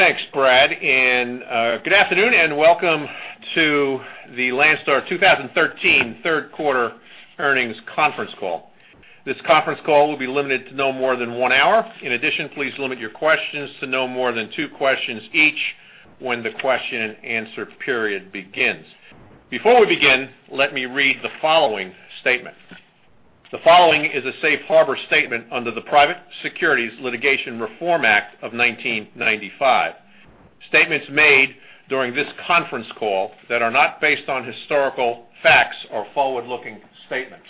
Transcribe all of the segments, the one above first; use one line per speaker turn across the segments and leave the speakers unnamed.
Thanks, Brad, and good afternoon, and welcome to the Landstar 2013 Third Quarter Earnings Conference Call. This conference call will be limited to no more than one hour. In addition, please limit your questions to no more than two questions each when the question-and-answer period begins. Before we begin, let me read the following statement: The following is a safe harbor statement under the Private Securities Litigation Reform Act of 1995. Statements made during this conference call that are not based on historical facts are forward-looking statements.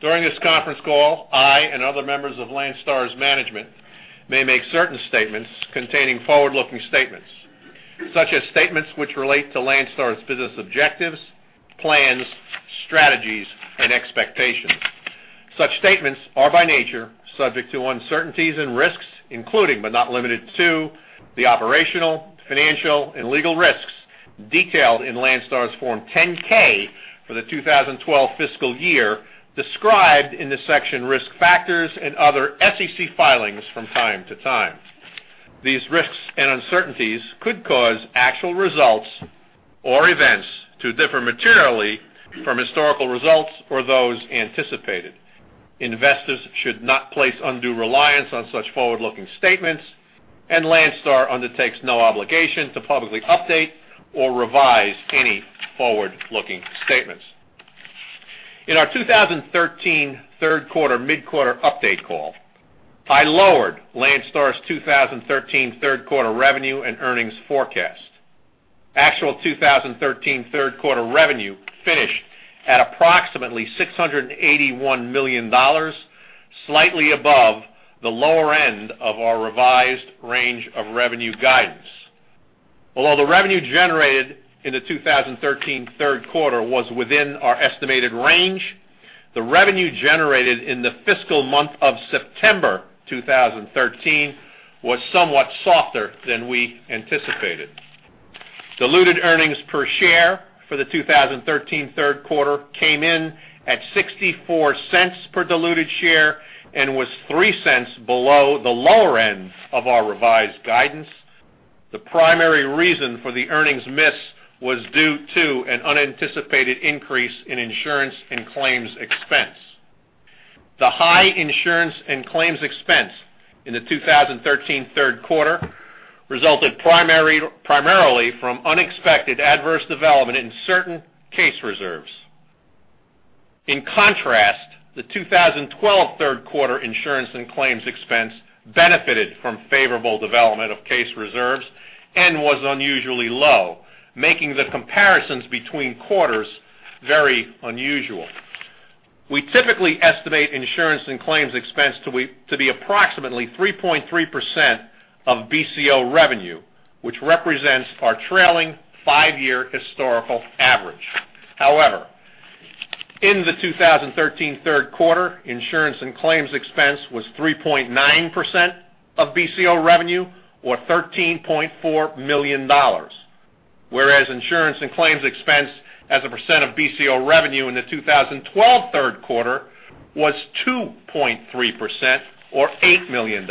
During this conference call, I and other members of Landstar's management may make certain statements containing forward-looking statements, such as statements which relate to Landstar's business objectives, plans, strategies, and expectations. Such statements are, by nature, subject to uncertainties and risks, including but not limited to the operational, financial, and legal risks detailed in Landstar's Form 10-K for the 2012 fiscal year, described in the section Risk Factors and other SEC filings from time to time. These risks and uncertainties could cause actual results or events to differ materially from historical results or those anticipated. Investors should not place undue reliance on such forward-looking statements, and Landstar undertakes no obligation to publicly update or revise any forward-looking statements. In our 2013 third quarter mid-quarter update call, I lowered Landstar's 2013 third quarter revenue and earnings forecast. Actual 2013 third quarter revenue finished at approximately $681 million, slightly above the lower end of our revised range of revenue guidance. Although the revenue generated in the 2013 third quarter was within our estimated range, the revenue generated in the fiscal month of September 2013 was somewhat softer than we anticipated. Diluted earnings per share for the 2013 third quarter came in at $0.64 per diluted share and was $0.03 below the lower end of our revised guidance. The primary reason for the earnings miss was due to an unanticipated increase in insurance and claims expense. The high insurance and claims expense in the 2013 third quarter resulted primarily from unexpected adverse development in certain case reserves. In contrast, the 2012 third quarter insurance and claims expense benefited from favorable development of case reserves and was unusually low, making the comparisons between quarters very unusual. We typically estimate insurance and claims expense to be approximately 3.3% of BCO revenue, which represents our trailing five-year historical average. However, in the 2013 third quarter, insurance and claims expense was 3.9% of BCO revenue or $13.4 million, whereas insurance and claims expense as a percent of BCO revenue in the 2012 third quarter was 2.3% or $8 million.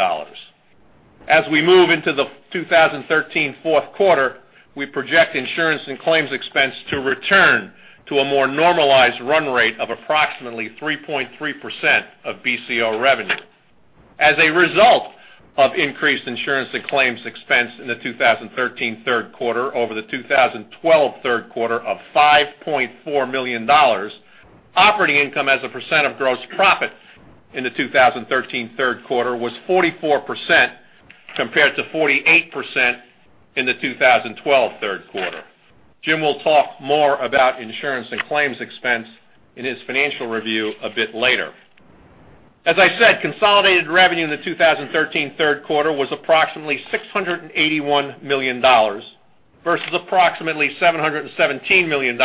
As we move into the 2013 fourth quarter, we project insurance and claims expense to return to a more normalized run rate of approximately 3.3% of BCO revenue. As a result of increased insurance and claims expense in the 2013 third quarter over the 2012 third quarter of $5.4 million, operating income as a percent of gross profit in the 2013 third quarter was 44%, compared to 48% in the 2012 third quarter. Jim will talk more about insurance and claims expense in his financial review a bit later. As I said, consolidated revenue in the 2013 third quarter was approximately $681 million, versus approximately $717 million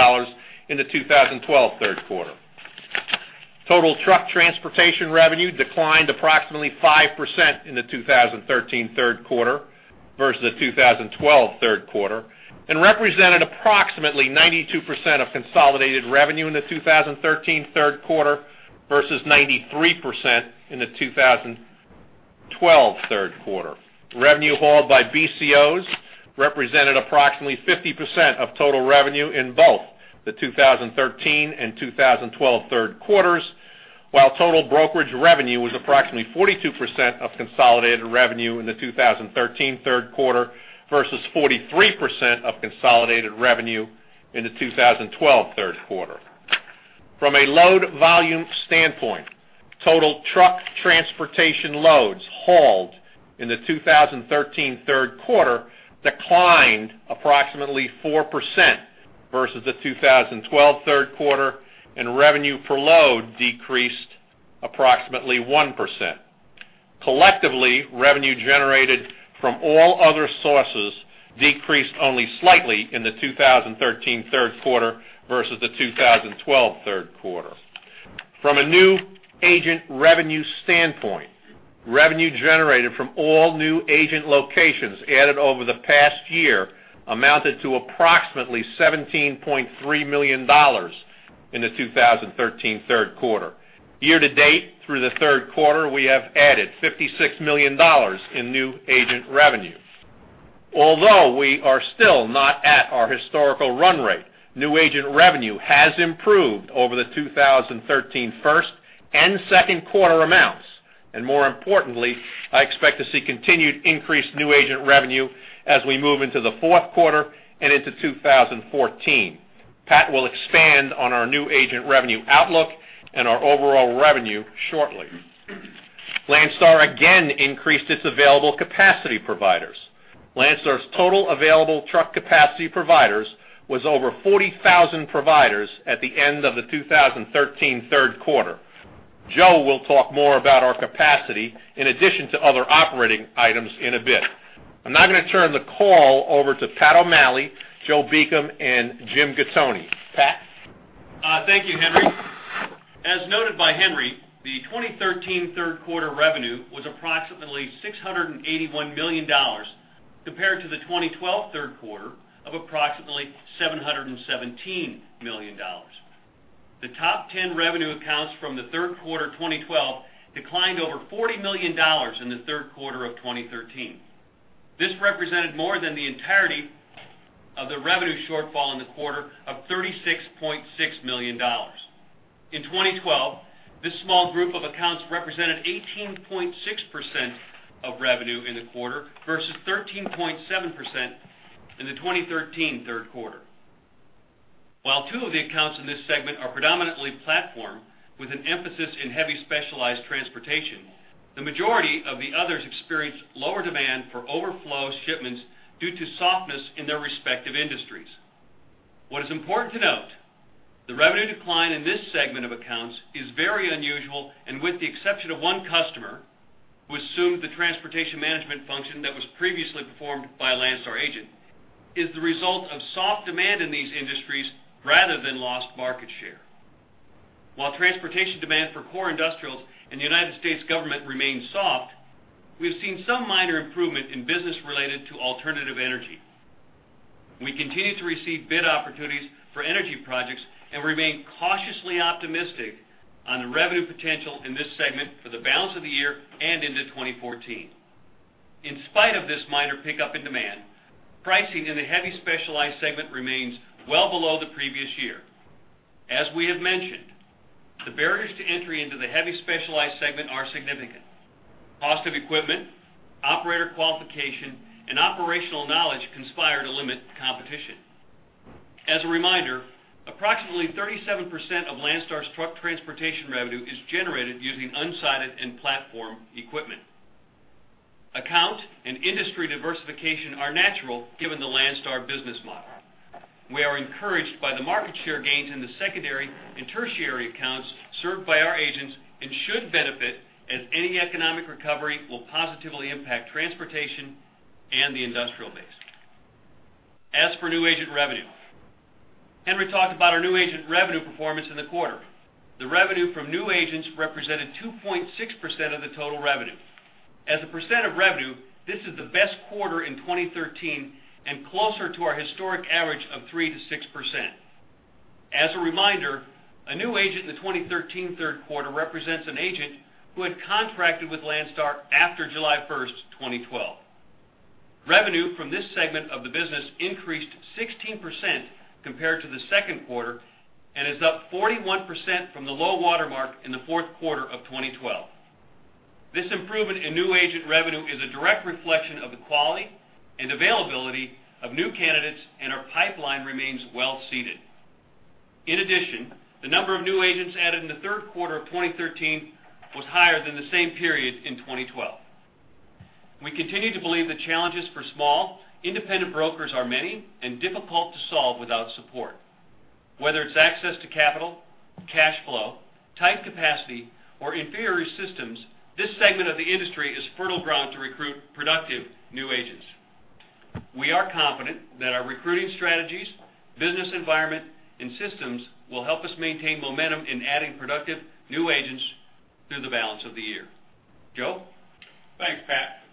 in the 2012 third quarter. Total truck transportation revenue declined approximately 5% in the 2013 third quarter versus the 2012 third quarter and represented approximately 92% of consolidated revenue in the 2013 third quarter versus 93% in the 2012 third quarter. Revenue hauled by BCOs represented approximately 50% of total revenue in both the 2013 and 2012 third quarters, while total brokerage revenue was approximately 42% of consolidated revenue in the 2013 third quarter versus 43% of consolidated revenue in the 2012 third quarter. From a load volume standpoint, total truck transportation loads hauled in the 2013 third quarter declined approximately 4% versus the 2012 third quarter, and revenue per load decreased approximately 1%. Collectively, revenue generated from all other sources decreased only slightly in the 2013 third quarter versus the 2012 third quarter. From a new agent revenue standpoint, revenue generated from all new agent locations added over the past year amounted to approximately $17.3 million in the 2013 third quarter. Year-to-date, through the third quarter, we have added $56 million in new agent revenue. Although we are still not at our historical run rate, new agent revenue has improved over the 2013 first and second quarter amounts, and more importantly, I expect to see continued increased new agent revenue as we move into the fourth quarter and into 2014. Pat will expand on our new agent revenue outlook and our overall revenue shortly. Landstar again increased its available capacity providers. Landstar's total available truck capacity providers was over 40,000 providers at the end of the 2013 third quarter. Joe will talk more about our capacity in addition to other operating items in a bit. I'm now going to turn the call over to Pat O'Malley, Joe Beacom, and Jim Gattoni. Pat?
Thank you, Henry. As noted by Henry, the 2013 third quarter revenue was approximately $681 million, compared to the 2012 third quarter of approximately $717 million. The top ten revenue accounts from the third quarter of 2012 declined over $40 million in the third quarter of 2013. This represented more than the entirety of the revenue shortfall in the quarter of $36.6 million. In 2012, this small group of accounts represented 18.6% of revenue in the quarter versus 13.7% in the 2013 third quarter. While two of the accounts in this segment are predominantly platform, with an emphasis in heavy specialized transportation, the majority of the others experienced lower demand for overflow shipments due to softness in their respective industries. What is important to note, the revenue decline in this segment of accounts is very unusual, and with the exception of one customer, who assumed the transportation management function that was previously performed by a Landstar agent, is the result of soft demand in these industries rather than lost market share. While transportation demand for core industrials and the United States Government remains soft, we've seen some minor improvement in business related to alternative energy. We continue to receive bid opportunities for energy projects and remain cautiously optimistic on the revenue potential in this segment for the balance of the year and into 2014. In spite of this minor pickup in demand, pricing in the heavy specialized segment remains well below the previous year. As we have mentioned, the barriers to entry into the heavy specialized segment are significant. Cost of equipment, operator qualification, and operational knowledge conspire to limit competition. As a reminder, approximately 37% of Landstar's truck transportation revenue is generated using unsided and platform equipment. Account and industry diversification are natural, given the Landstar business model. We are encouraged by the market share gains in the secondary and tertiary accounts served by our agents, and should benefit, as any economic recovery will positively impact transportation and the industrial base. As for new agent revenue, Henry talked about our new agent revenue performance in the quarter. The revenue from new agents represented 2.6% of the total revenue. As a percent of revenue, this is the best quarter in 2013 and closer to our historic average of 3%-6%. As a reminder, a new agent in the 2013 third quarter represents an agent who had contracted with Landstar after July 1, 2012. Revenue from this segment of the business increased 16% compared to the second quarter, and is up 41% from the low-water mark in the fourth quarter of 2012. This improvement in new agent revenue is a direct reflection of the quality and availability of new candidates, and our pipeline remains well seeded. In addition, the number of new agents added in the third quarter of 2013 was higher than the same period in 2012. We continue to believe the challenges for small independent brokers are many and difficult to solve without support. Whether it's access to capital, cash flow, tight capacity, or inferior systems, this segment of the industry is fertile ground to recruit productive new agents. We are confident that our recruiting strategies, business environment, and systems will help us maintain momentum in adding productive new agents through the balance of the year. Joe?
Thanks, Pat.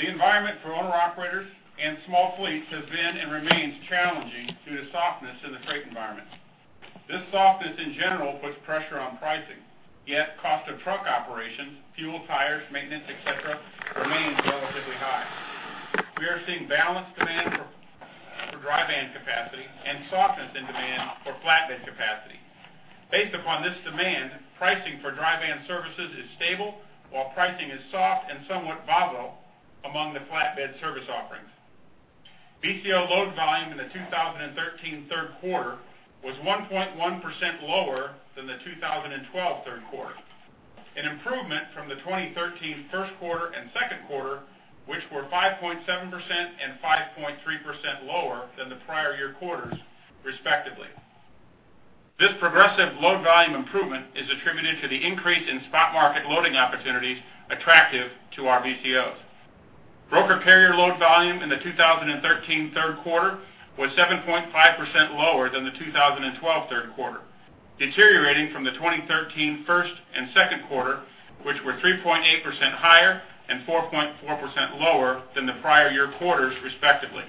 The environment for owner-operators and small fleets has been and remains challenging due to softness in the freight environment. This softness in general puts pressure on pricing, yet cost of truck operations, fuel, tires, maintenance, et cetera, remains relatively high. We are seeing balanced demand for dry van capacity and softness in demand for flatbed capacity. Based upon this demand, pricing for dry van services is stable, while pricing is soft and somewhat volatile among the flatbed service offerings. BCO load volume in the 2013 third quarter was 1.1% lower than the 2012 third quarter, an improvement from the 2013 first quarter and second quarter, which were 5.7% and 5.3% lower than the prior year quarters, respectively. This progressive load volume improvement is attributed to the increase in spot market loading opportunities attractive to our BCOs. Broker carrier load volume in the 2013 third quarter was 7.5% lower than the 2012 third quarter, deteriorating from the 2013 first and second quarter, which were 3.8% higher and 4.4% lower than the prior year quarters, respectively.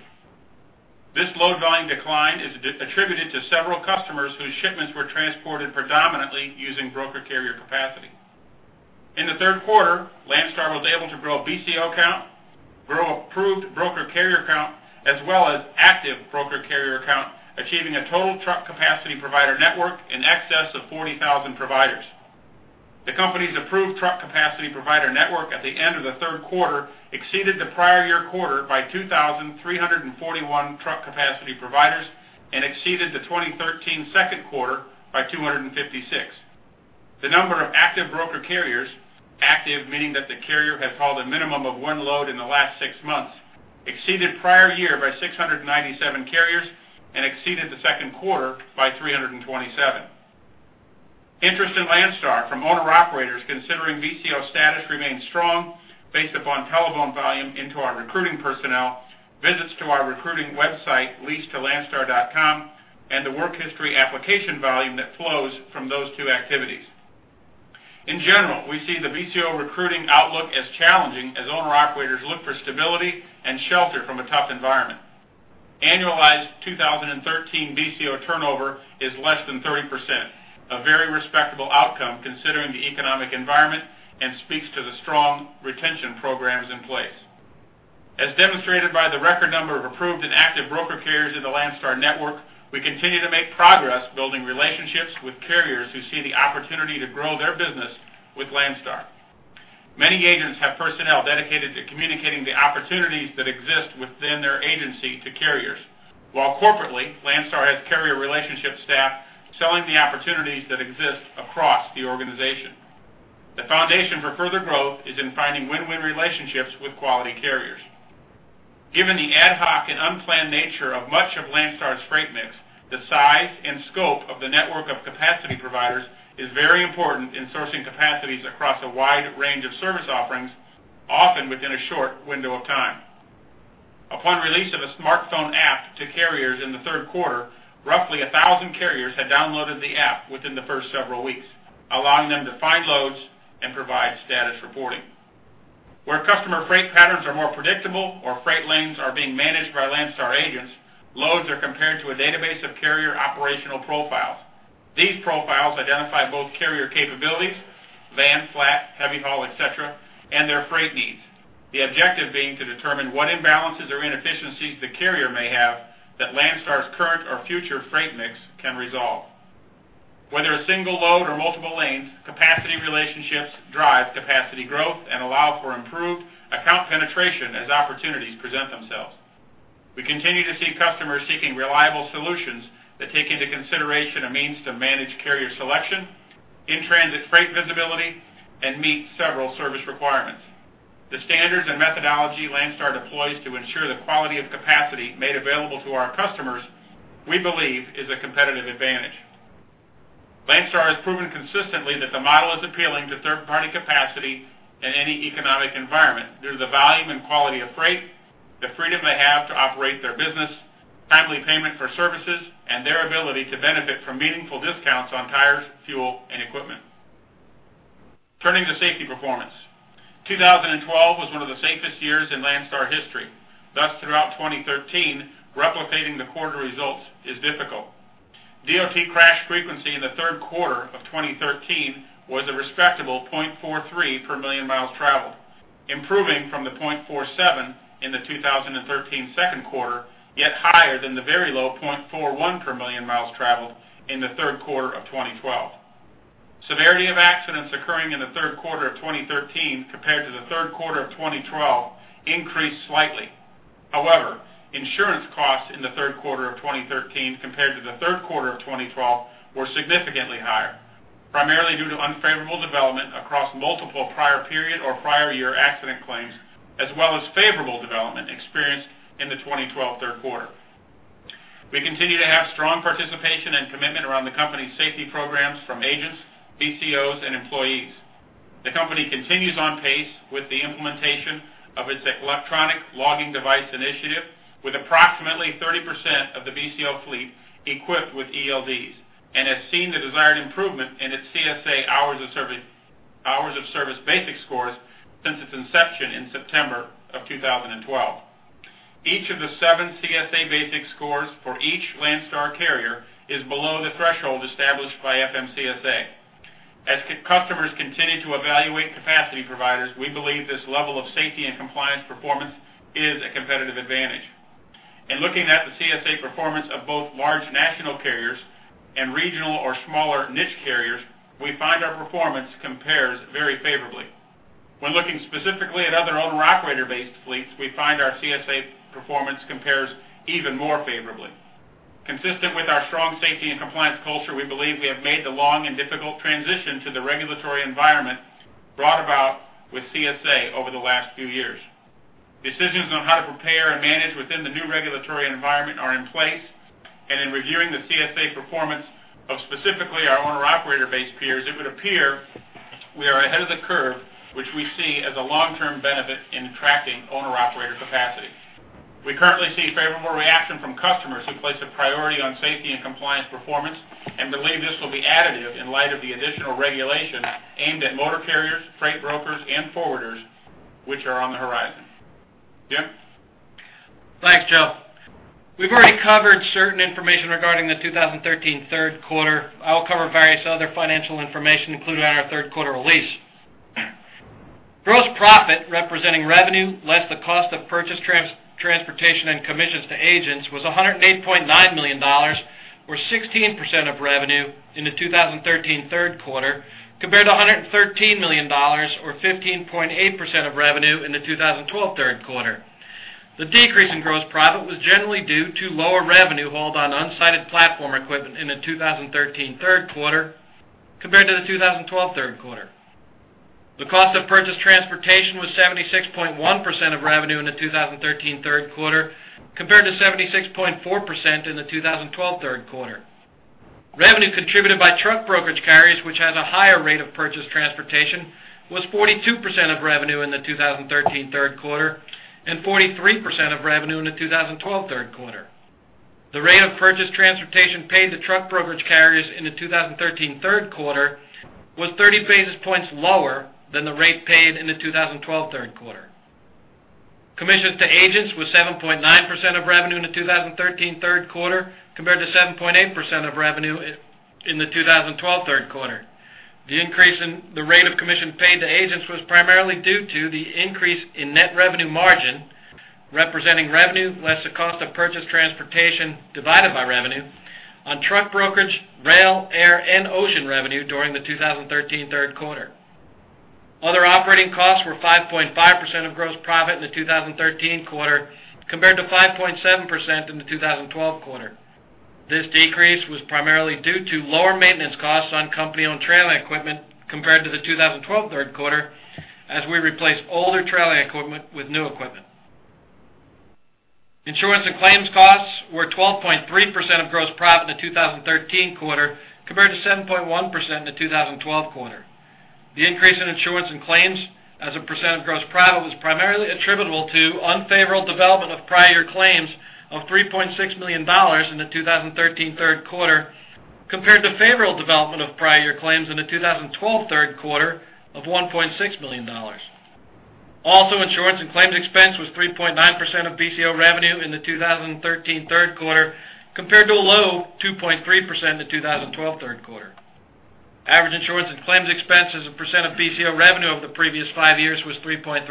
This load volume decline is attributed to several customers whose shipments were transported predominantly using broker carrier capacity.... In the third quarter, Landstar was able to grow BCO count, grow approved broker carrier count, as well as active broker carrier count, achieving a total truck capacity provider network in excess of 40,000 providers. The company's approved truck capacity provider network at the end of the third quarter exceeded the prior-year quarter by 2,341 truck capacity providers and exceeded the 2013 second quarter by 256. The number of active broker carriers, active meaning that the carrier has hauled a minimum of one load in the last six months, exceeded prior year by 697 carriers and exceeded the second quarter by 327. Interest in Landstar from owner-operators considering BCO status remains strong based upon telephone volume into our recruiting personnel, visits to our recruiting website, leasetolandstar.com, and the work history application volume that flows from those two activities. In general, we see the BCO recruiting outlook as challenging as owner-operators look for stability and shelter from a tough environment. Annualized 2013 BCO turnover is less than 30%, a very respectable outcome considering the economic environment, and speaks to the strong retention programs in place. As demonstrated by the record number of approved and active broker carriers in the Landstar network, we continue to make progress building relationships with carriers who see the opportunity to grow their business with Landstar. Many agents have personnel dedicated to communicating the opportunities that exist within their agency to carriers, while corporately, Landstar has carrier relationship staff selling the opportunities that exist across the organization. The foundation for further growth is in finding win-win relationships with quality carriers. Given the ad hoc and unplanned nature of much of Landstar's freight mix, the size and scope of the network of capacity providers is very important in sourcing capacities across a wide range of service offerings, often within a short window of time. Upon release of a smartphone app to carriers in the third quarter, roughly 1,000 carriers had downloaded the app within the first several weeks, allowing them to find loads and provide status reporting. Where customer freight patterns are more predictable or freight lanes are being managed by Landstar agents, loads are compared to a database of carrier operational profiles. These profiles identify both carrier capabilities, van, flat, heavy haul, et cetera, and their freight needs. The objective being to determine what imbalances or inefficiencies the carrier may have that Landstar's current or future freight mix can resolve. Whether a single load or multiple lanes, capacity relationships drive capacity growth and allow for improved account penetration as opportunities present themselves. We continue to see customers seeking reliable solutions that take into consideration a means to manage carrier selection, in-transit freight visibility, and meet several service requirements. The standards and methodology Landstar deploys to ensure the quality of capacity made available to our customers, we believe, is a competitive advantage. Landstar has proven consistently that the model is appealing to third-party capacity in any economic environment due to the volume and quality of freight, the freedom they have to operate their business, timely payment for services, and their ability to benefit from meaningful discounts on tires, fuel, and equipment. Turning to safety performance. 2012 was one of the safest years in Landstar history. Thus, throughout 2013, replicating the quarter results is difficult. DOT crash frequency in the third quarter of 2013 was a respectable 0.43 per million miles traveled, improving from the 0.47 in the 2013 second quarter, yet higher than the very low 0.41 per million miles traveled in the third quarter of 2012. Severity of accidents occurring in the third quarter of 2013 compared to the third quarter of 2012 increased slightly. However, insurance costs in the third quarter of 2013 compared to the third quarter of 2012 were significantly higher, primarily due to unfavorable development across multiple prior period or prior year accident claims, as well as favorable development experienced in the 2012 third quarter. We continue to have strong participation and commitment around the company's safety programs from agents, BCOs, and employees. The company continues on pace with the implementation of its electronic logging device initiative, with approximately 30% of the BCO fleet equipped with ELDs, and has seen the desired improvement in its CSA hours of service, hours of service BASIC scores since its inception in September of 2012. Each of the seven CSA BASIC scores for each Landstar carrier is below the threshold established by FMCSA. As customers continue to evaluate capacity providers, we believe this level of safety and compliance performance is a competitive advantage. In looking at the CSA performance of both large national carriers and regional or smaller niche carriers, we find our performance compares very favorably. When looking specifically at other owner-operator-based fleets, we find our CSA performance compares even more favorably. Consistent with our strong safety and compliance culture, we believe we have made the long and difficult transition to the regulatory environment brought about with CSA over the last few years. Decisions on how to prepare and manage within the new regulatory environment are in place, and in reviewing the CSA performance of specifically our owner-operator-based peers, it would appear we are ahead of the curve, which we see as a long-term benefit in attracting owner-operator capacity. We currently see favorable reaction from customers who place a priority on safety and compliance performance and believe this will be additive in light of the additional regulations aimed at motor carriers, freight brokers, and forwarders, which are on the horizon. Jim?...
Thanks, Joe. We've already covered certain information regarding the 2013 third quarter. I will cover various other financial information included on our third quarter release. Gross profit, representing revenue, less the cost of purchased transportation and commissions to agents, was $108.9 million, or 16% of revenue in the 2013 third quarter, compared to $113 million or 15.8% of revenue in the 2012 third quarter. The decrease in gross profit was generally due to lower revenue load on unsided platform equipment in the 2013 third quarter compared to the 2012 third quarter. The cost of purchased transportation was 76.1% of revenue in the 2013 third quarter, compared to 76.4% in the 2012 third quarter. Revenue contributed by truck brokerage carriers, which has a higher rate of purchased transportation, was 42% of revenue in the 2013 third quarter and 43% of revenue in the 2012 third quarter. The rate of purchased transportation paid to truck brokerage carriers in the 2013 third quarter was 30 basis points lower than the rate paid in the 2012 third quarter. Commissions to agents was 7.9% of revenue in the 2013 third quarter, compared to 7.8% of revenue in the 2012 third quarter. The increase in the rate of commission paid to agents was primarily due to the increase in net revenue margin, representing revenue, less the cost of purchased transportation divided by revenue on truck brokerage, rail, air, and ocean revenue during the 2013 third quarter. Other operating costs were 5.5% of gross profit in the 2013 quarter, compared to 5.7% in the 2012 quarter. This decrease was primarily due to lower maintenance costs on company-owned trailer equipment compared to the 2012 third quarter as we replaced older trailer equipment with new equipment. Insurance and claims costs were 12.3% of gross profit in the 2013 quarter, compared to 7.1% in the 2012 quarter. The increase in insurance and claims as a percent of gross profit was primarily attributable to unfavorable development of prior claims of $3.6 million in the 2013 third quarter, compared to favorable development of prior year claims in the 2012 third quarter of $1.6 million. Also, insurance and claims expense was 3.9% of BCO revenue in the 2013 third quarter, compared to a low 2.3% in the 2012 third quarter. Average insurance and claims expense as a percent of BCO revenue over the previous five years was 3.3%.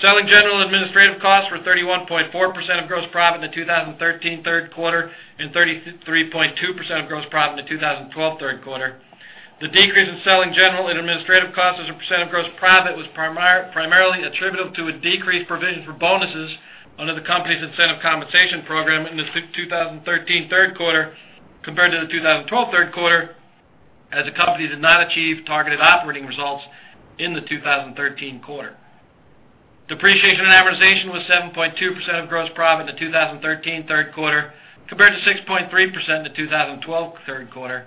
Selling general administrative costs were 31.4% of gross profit in the 2013 third quarter, and 33.2% of gross profit in the 2012 third quarter. The decrease in selling general and administrative costs as a percent of gross profit was primarily attributable to a decreased provision for bonuses under the company's incentive compensation program in the 2013 third quarter compared to the 2012 third quarter, as the company did not achieve targeted operating results in the 2013 quarter. Depreciation and amortization was 7.2% of gross profit in the 2013 third quarter, compared to 6.3% in the 2012 third quarter.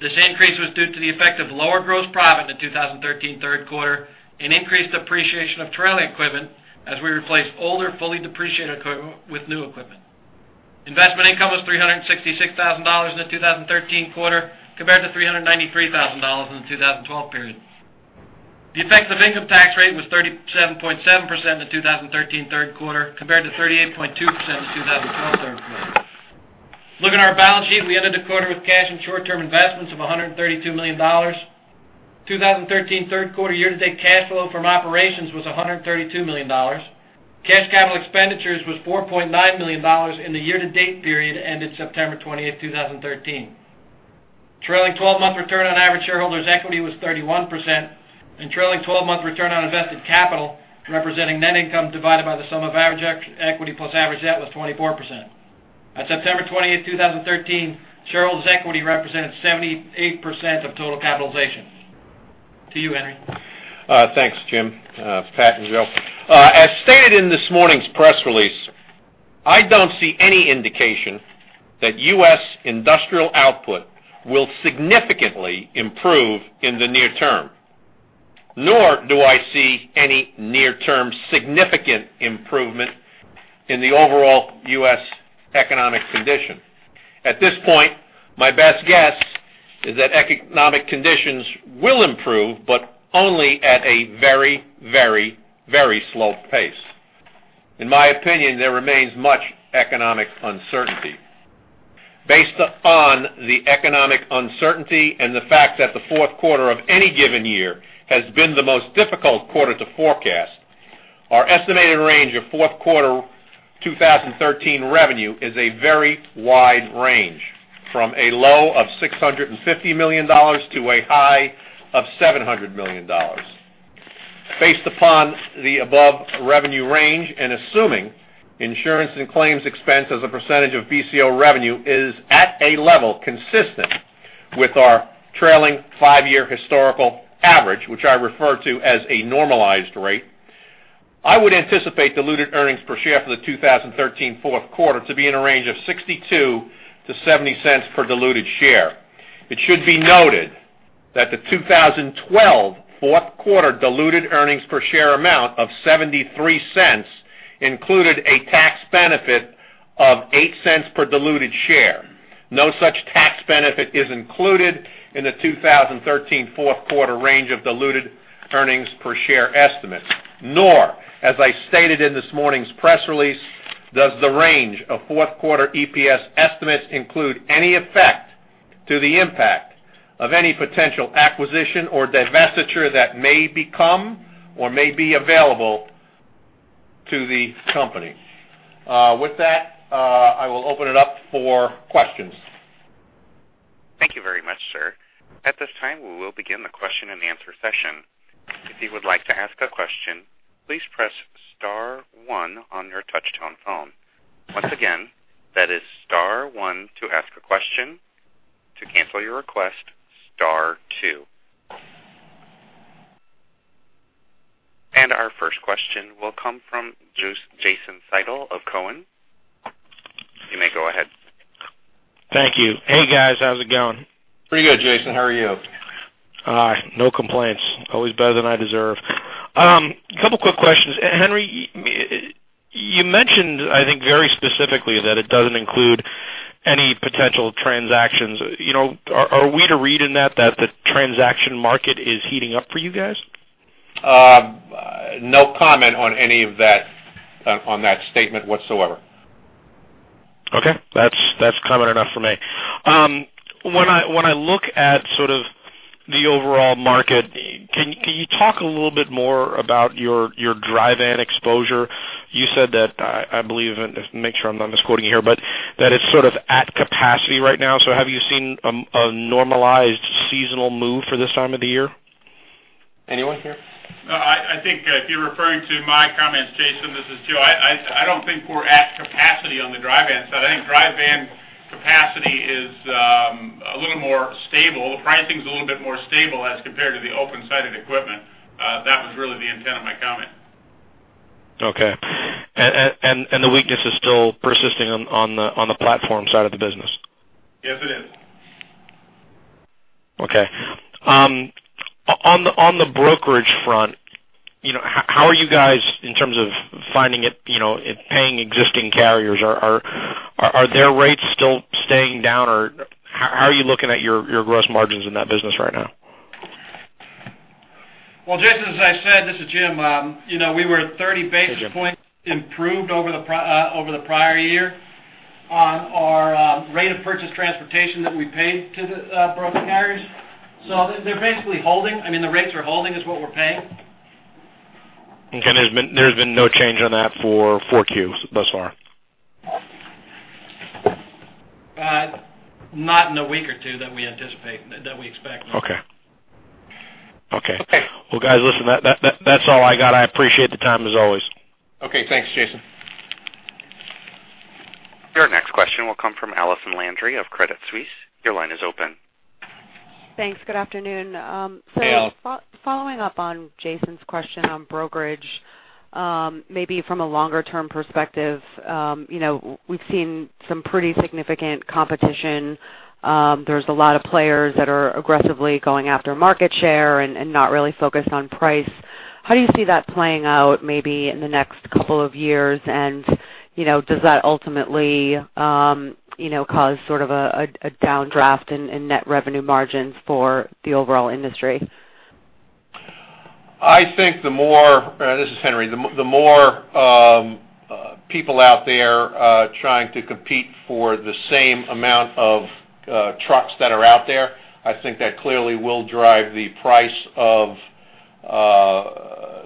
This increase was due to the effect of lower gross profit in the 2013 third quarter and increased depreciation of trailer equipment as we replaced older, fully depreciated equipment with new equipment. Investment income was $366,000 in the 2013 quarter, compared to $393,000 in the 2012 period. The effective income tax rate was 37.7% in the 2013 third quarter, compared to 38.2% in the 2012 third quarter. Looking at our balance sheet, we ended the quarter with cash and short-term investments of $132 million. 2013 third quarter year-to-date cash flow from operations was $132 million. Cash capital expenditures was $4.9 million in the year-to-date period ended September 28, 2013. Trailing 12-month return on average shareholders' equity was 31%, and trailing 12-month return on invested capital, representing net income divided by the sum of average equity plus average debt, was 24%. At September 28, 2013, shareholders' equity represented 78% of total capitalization. To you, Henry.
Thanks, Jim, Pat, and Joe. As stated in this morning's press release, I don't see any indication that U.S. industrial output will significantly improve in the near term, nor do I see any near-term significant improvement in the overall U.S. economic condition. At this point, my best guess is that economic conditions will improve, but only at a very, very, very slow pace. In my opinion, there remains much economic uncertainty. Based upon the economic uncertainty and the fact that the fourth quarter of any given year has been the most difficult quarter to forecast, our estimated range of fourth quarter 2013 revenue is a very wide range, from a low of $650 million to a high of $700 million. Based upon the above revenue range, and assuming insurance and claims expense as a percentage of BCO revenue is at a level consistent with our trailing five-year historical average, which I refer to as a normalized rate, I would anticipate diluted earnings per share for the 2013 fourth quarter to be in a range of $0.62-$0.70 per diluted share. It should be noted that the 2012 fourth quarter diluted earnings per share amount of $0.73 included a tax benefit of $0.08 per diluted share. No such tax benefit is included in the 2013 fourth quarter range of diluted earnings per share estimates. Nor, as I stated in this morning's press release, does the range of fourth quarter EPS estimates include any effect to the impact of any potential acquisition or divestiture that may become or may be available to the company. With that, I will open it up for questions.
Thank you very much, sir. At this time, we will begin the question-and-answer session. If you would like to ask a question, please press star one on your touchtone phone. Once again, that is star one to ask a question. To cancel your request, star two. Our first question will come from Jason Seidl of Cowen. You may go ahead.
Thank you. Hey, guys. How's it going?
Pretty good, Jason. How are you?
No complaints. Always better than I deserve. A couple quick questions. Henry, you mentioned, I think, very specifically, that it doesn't include any potential transactions. You know, are we to read in that, that the transaction market is heating up for you guys?
No comment on any of that, on that statement whatsoever.
Okay. That's comment enough for me. When I look at sort of the overall market, can you talk a little bit more about your dry van exposure? You said that, I believe, and make sure I'm not misquoting you here, but that it's sort of at capacity right now. So have you seen a normalized seasonal move for this time of the year?
Anyone here?
No, I think if you're referring to my comments, Jason, this is Joe. I don't think we're at capacity on the dry van side. I think dry van capacity is a little more stable. The pricing's a little bit more stable as compared to the open-sided equipment. That was really the intent of my comment.
Okay. And the weakness is still persisting on the platform side of the business?
Yes, it is.
Okay. On the brokerage front, you know, how are you guys in terms of finding it, you know, paying existing carriers? Are their rates still staying down, or how are you looking at your gross margins in that business right now?
Well, Jason, as I said, this is Jim. You know, we were 30 basis points improved over the prior year on our rate of purchased transportation that we paid to the broker carriers. So they're basically holding, I mean, the rates are holding is what we're paying.
Okay, there's been no change on that for 4Q thus far?
Not in the week or two that we anticipate, that we expect.
Okay. Okay.
Okay.
Well, guys, listen, that's all I got. I appreciate the time, as always.
Okay, thanks, Jason.
Your next question will come from Allison Landry of Credit Suisse. Your line is open.
Thanks. Good afternoon.
Hey, Allison.
So following up on Jason's question on brokerage, maybe from a longer-term perspective, you know, we've seen some pretty significant competition. There's a lot of players that are aggressively going after market share and not really focused on price. How do you see that playing out maybe in the next couple of years? And, you know, does that ultimately, you know, cause sort of a downdraft in net revenue margins for the overall industry?
I think the more... this is Henry. The more people out there trying to compete for the same amount of trucks that are out there, I think that clearly will drive the price of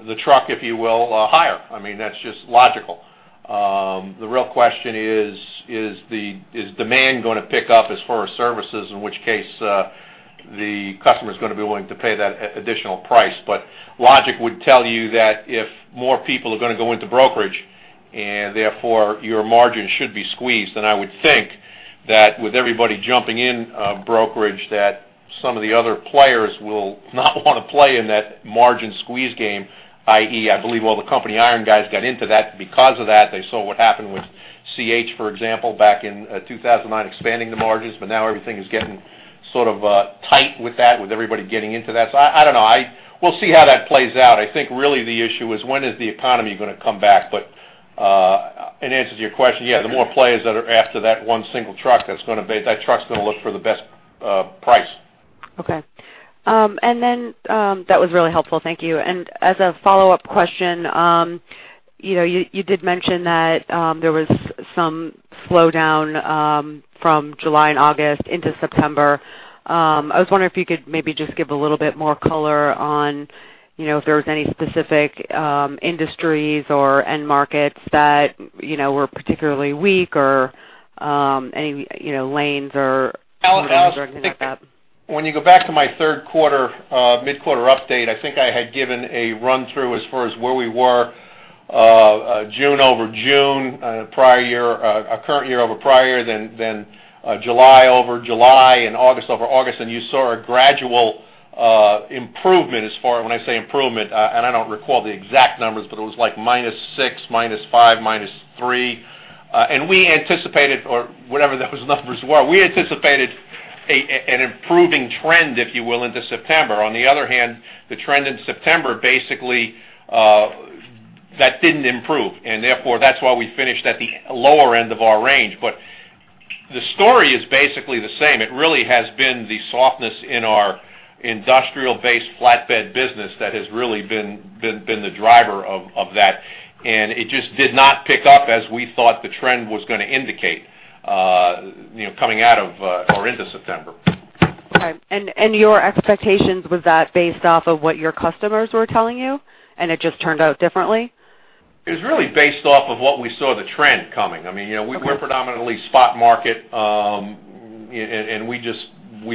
the truck, if you will, higher. I mean, that's just logical. The real question is, is demand gonna pick up as far as services, in which case, the customer is gonna be willing to pay that additional price. But logic would tell you that if more people are gonna go into brokerage, and therefore, your margin should be squeezed, then I would think that with everybody jumping in brokerage, that some of the other players will not want to play in that margin squeeze game, i.e., I believe all the company iron guys got into that. Because of that, they saw what happened with CH, for example, back in 2009, expanding the margins, but now everything is getting sort of tight with that, with everybody getting into that. So I don't know. I... We'll see how that plays out. I think really the issue is when is the economy gonna come back? But in answer to your question, yeah, the more players that are after that one single truck, that's gonna be, that truck's gonna look for the best price.
Okay. And then, that was really helpful. Thank you. And as a follow-up question, you know, you did mention that there was some slowdown from July and August into September. I was wondering if you could maybe just give a little bit more color on, you know, if there was any specific industries or end markets that, you know, were particularly weak or, any, you know, lanes or-
Allison, I think when you go back to my third quarter mid-quarter update, I think I had given a run-through as far as where we were, June over June prior year, current year over prior, then July over July and August over August, and you saw a gradual improvement as far as... When I say improvement, and I don't recall the exact numbers, but it was like -6, -5, -3. And we anticipated or whatever those numbers were, we anticipated an improving trend, if you will, into September. On the other hand, the trend in September basically that didn't improve, and therefore, that's why we finished at the lower end of our range. But the story is basically the same. It really has been the softness in our industrial-based flatbed business that has really been the driver of that, and it just did not pick up as we thought the trend was going to indicate, you know, coming out of or into September.
All right. And your expectations, was that based off of what your customers were telling you, and it just turned out differently?
It was really based off of what we saw the trend coming. I mean, you know, we're predominantly spot market, and we just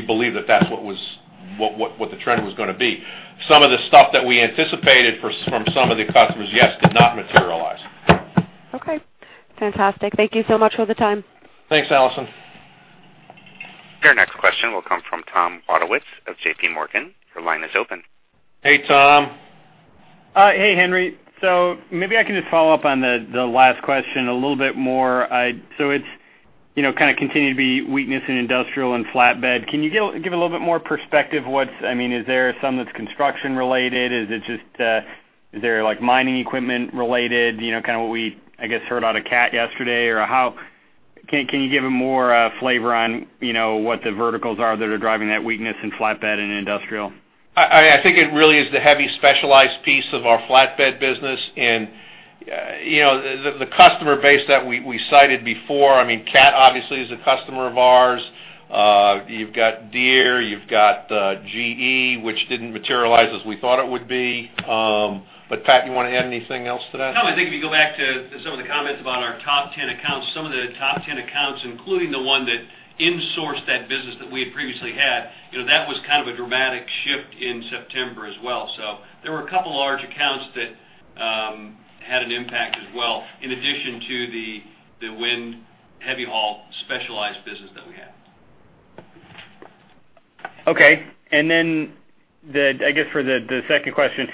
believe that that's what the trend was going to be. Some of the stuff that we anticipated from some of the customers, yes, did not materialize.
Okay, fantastic. Thank you so much for the time.
Thanks, Allison.
Your next question will come from Tom Wadewitz of JPMorgan. Your line is open.
Hey, Tom.
Hey, Henry. So maybe I can just follow up on the last question a little bit more. So it's, you know, kind of continue to be weakness in industrial and flatbed. Can you give a little bit more perspective what's... I mean, is there some that's construction related? Is it just, is there, like, mining equipment related, you know, kind of what we, I guess, heard out of Cat yesterday? Or, how can you give a more flavor on, you know, what the verticals are that are driving that weakness in flatbed and industrial?
I think it really is the heavy specialized piece of our flatbed business, and, you know, the customer base that we cited before, I mean, Cat obviously is a customer of ours. You've got Deere, you've got GE, which didn't materialize as we thought it would be. But Pat, you want to add anything else to that?
No, I think if you go back to some of the comments about our top ten accounts, some of the top ten accounts, including the one that insourced that business that we had previously had, you know, that was kind of a dramatic shift in September as well. So there were a couple large accounts that had an impact as well, in addition to the wind heavy haul specialized business that we had.
Okay. And then, I guess, for the second question,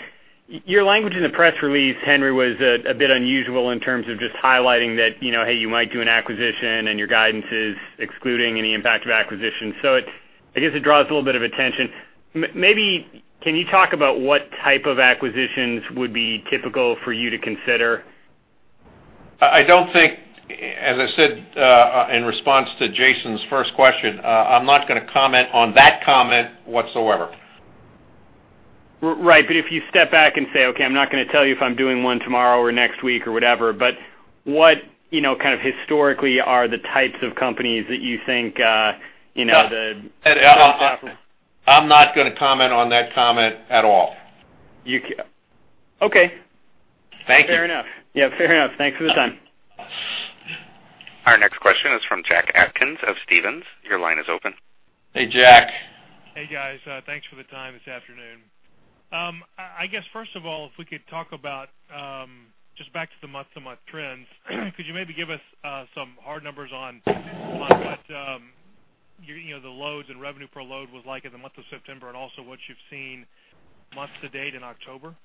your language in the press release, Henry, was a bit unusual in terms of just highlighting that, you know, hey, you might do an acquisition and your guidance is excluding any impact of acquisition. So, I guess, it draws a little bit of attention. Maybe you can talk about what type of acquisitions would be typical for you to consider?
I don't think, as I said, in response to Jason's first question, I'm not going to comment on that comment whatsoever.
Right. But if you step back and say, "Okay, I'm not going to tell you if I'm doing one tomorrow or next week or whatever," but what, you know, kind of historically are the types of companies that you think, you know, the-
I'm not going to comment on that comment at all.
Okay.
Thank you.
Fair enough. Yeah, fair enough. Thanks for the time.
Our next question is from Jack Atkins of Stephens. Your line is open.
Hey, Jack.
Hey, guys, thanks for the time this afternoon. I guess, first of all, if we could talk about just back to the month-to-month trends, could you maybe give us some hard numbers on what you know, the loads and revenue per load was like in the month of September, and also what you've seen month to date in October?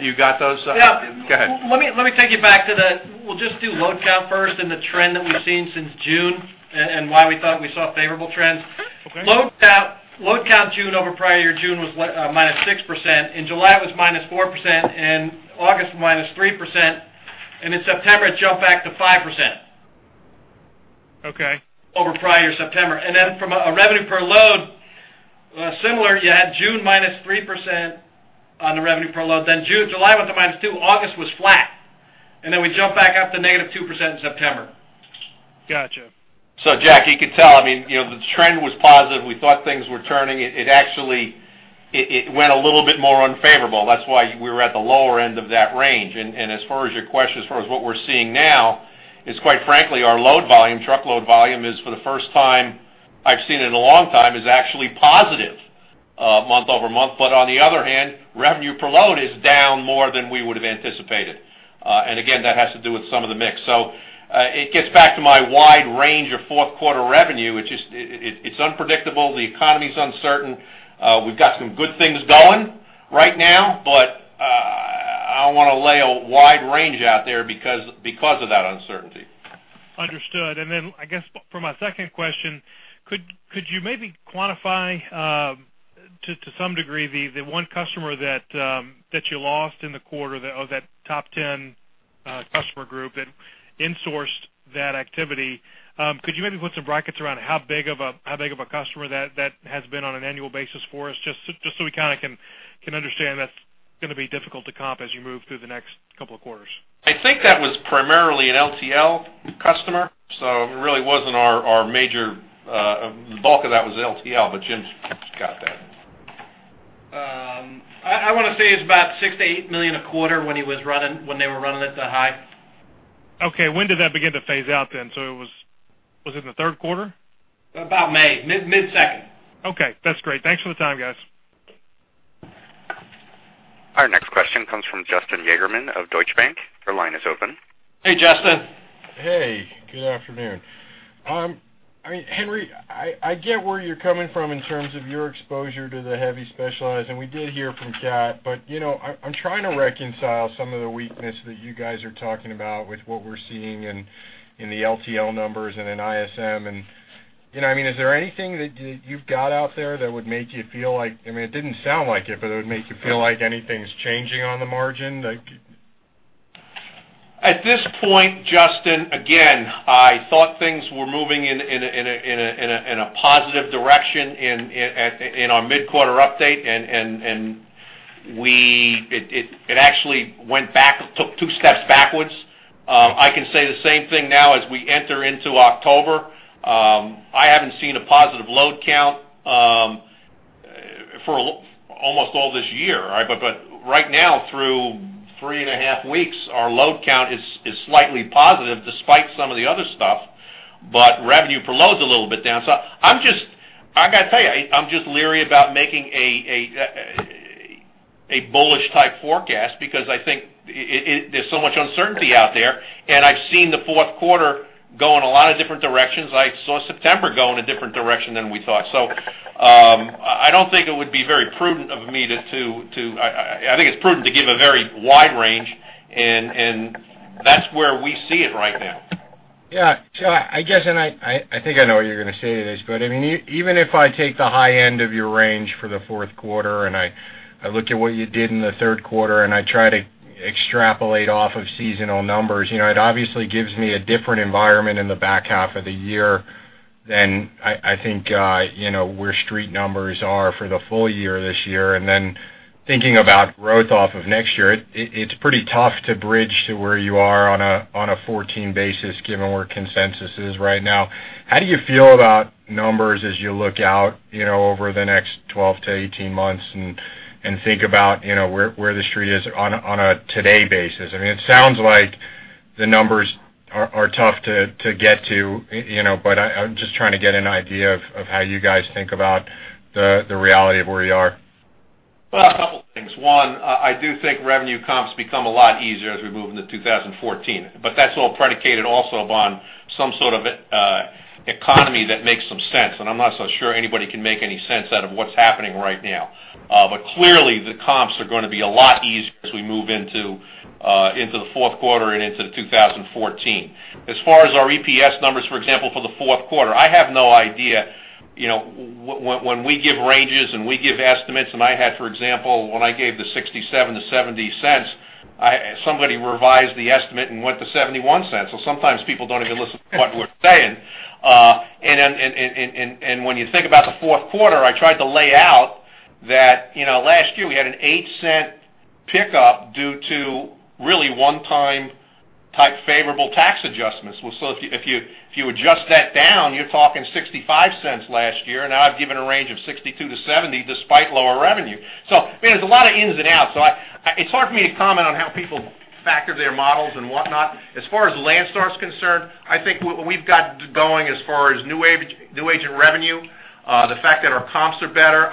You got those?
Yeah.
Go ahead.
Let me take you back to the... We'll just do load count first and the trend that we've seen since June and why we thought we saw favorable trends.
Okay.
Load count, load count, June over prior year, June was -6%. In July, it was -4%, in August, -3%, and in September, it jumped back to 5%.
Okay.
Over prior September. And then from a revenue per load, similar, you had June -3% on the revenue per load, then June, July went to -2%, August was flat, and then we jumped back up to negative 2% in September.
Gotcha.
So Jack, you could tell, I mean, you know, the trend was positive. We thought things were turning. It actually went a little bit more unfavorable. That's why we were at the lower end of that range. And as far as your question, as far as what we're seeing now is, quite frankly, our load volume, truckload volume, for the first time I've seen it in a long time, is actually positive month-over-month. But on the other hand, revenue per load is down more than we would have anticipated. And again, that has to do with some of the mix. So it gets back to my wide range of fourth quarter revenue, which is, it's unpredictable, the economy is uncertain. We've got some good things going right now, but I want to lay a wide range out there because of that uncertainty.
Understood. And then, I guess, for my second question, could you maybe quantify to some degree the one customer that you lost in the quarter of that top ten customer group that insourced that activity? Could you maybe put some brackets around it? How big of a customer that has been on an annual basis for us, just so we kind of can understand that's going to be difficult to comp as you move through the next couple of quarters.
I think that was primarily an LTL customer, so it really wasn't our major bulk of that was LTL, but Jim's got that.
I want to say it's about $68 million a quarter when he was running, when they were running at the high.
Okay. When did that begin to phase out then? So it was, was it in the third quarter?
About May, mid-second.
Okay. That's great. Thanks for the time, guys.
Our next question comes from Justin Yagerman of Deutsche Bank. Your line is open.
Hey, Justin.
Hey, good afternoon. I mean, Henry, I get where you're coming from in terms of your exposure to the heavy specialized, and we did hear from Cat. But, you know, I'm trying to reconcile some of the weakness that you guys are talking about with what we're seeing in the LTL numbers and in ISM, and-... You know, I mean, is there anything that you've got out there that would make you feel like, I mean, it didn't sound like it, but it would make you feel like anything's changing on the margin, like?
At this point, Justin, again, I thought things were moving in a positive direction in our mid-quarter update, and we-- it actually went back, took two steps backwards. I can say the same thing now as we enter into October. I haven't seen a positive load count for almost all this year, right? But right now, through three and a half weeks, our load count is slightly positive, despite some of the other stuff, but revenue per load is a little bit down. So I'm just-- I gotta tell you, I'm just leery about making a bullish type forecast because I think there's so much uncertainty out there, and I've seen the fourth quarter go in a lot of different directions. I saw September go in a different direction than we thought. So, I don't think it would be very prudent of me to. I think it's prudent to give a very wide range, and that's where we see it right now.
Yeah. So I guess, and I think I know what you're going to say to this, but I mean, even if I take the high end of your range for the fourth quarter, and I look at what you did in the third quarter, and I try to extrapolate off of seasonal numbers, you know, it obviously gives me a different environment in the back half of the year than I think, you know, where street numbers are for the full year this year. And then thinking about growth off of next year, it's pretty tough to bridge to where you are on a 14 basis, given where consensus is right now. How do you feel about numbers as you look out, you know, over the next 12-18 months and think about, you know, where the street is on a today basis? I mean, it sounds like the numbers are tough to get to, you know, but I'm just trying to get an idea of how you guys think about the reality of where you are.
Well, a couple things. One, I do think revenue comps become a lot easier as we move into 2014, but that's all predicated also upon some sort of a economy that makes some sense, and I'm not so sure anybody can make any sense out of what's happening right now. But clearly, the comps are gonna be a lot easier as we move into the fourth quarter and into 2014. As far as our EPS numbers, for example, for the fourth quarter, I have no idea, you know, when we give ranges and we give estimates, and I had, for example, when I gave the $0.67-$0.70, somebody revised the estimate and went to $0.71. So sometimes people don't even listen to what we're saying. And when you think about the fourth quarter, I tried to lay out that, you know, last year we had an $0.08 pickup due to really one-time type favorable tax adjustments. Well, so if you adjust that down, you're talking $0.65 last year, and now I've given a range of $0.62-$0.70, despite lower revenue. So, I mean, there's a lot of ins and outs, so it's hard for me to comment on how people factor their models and whatnot. As far as Landstar is concerned, I think we've got going as far as new agent revenue, the fact that our comps are better.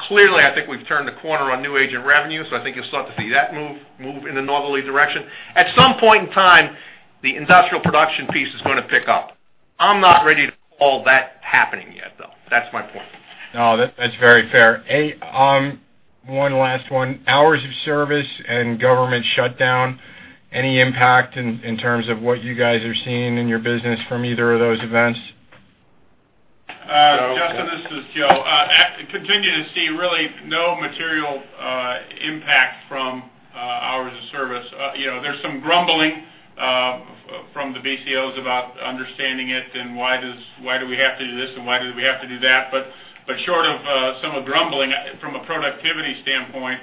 Clearly, I think we've turned the corner on new agent revenue, so I think you'll start to see that move in a northerly direction. At some point in time, the industrial production piece is gonna pick up. I'm not ready to call that happening yet, though. That's my point.
No, that's very fair. A, one last one. Hours of service and government shutdown, any impact in, in terms of what you guys are seeing in your business from either of those events?
Justin, this is Joe. Continue to see really no material impact from hours of service. You know, there's some grumbling from the BCOs about understanding it and why does, why do we have to do this, and why do we have to do that? But short of some of the grumbling, from a productivity standpoint,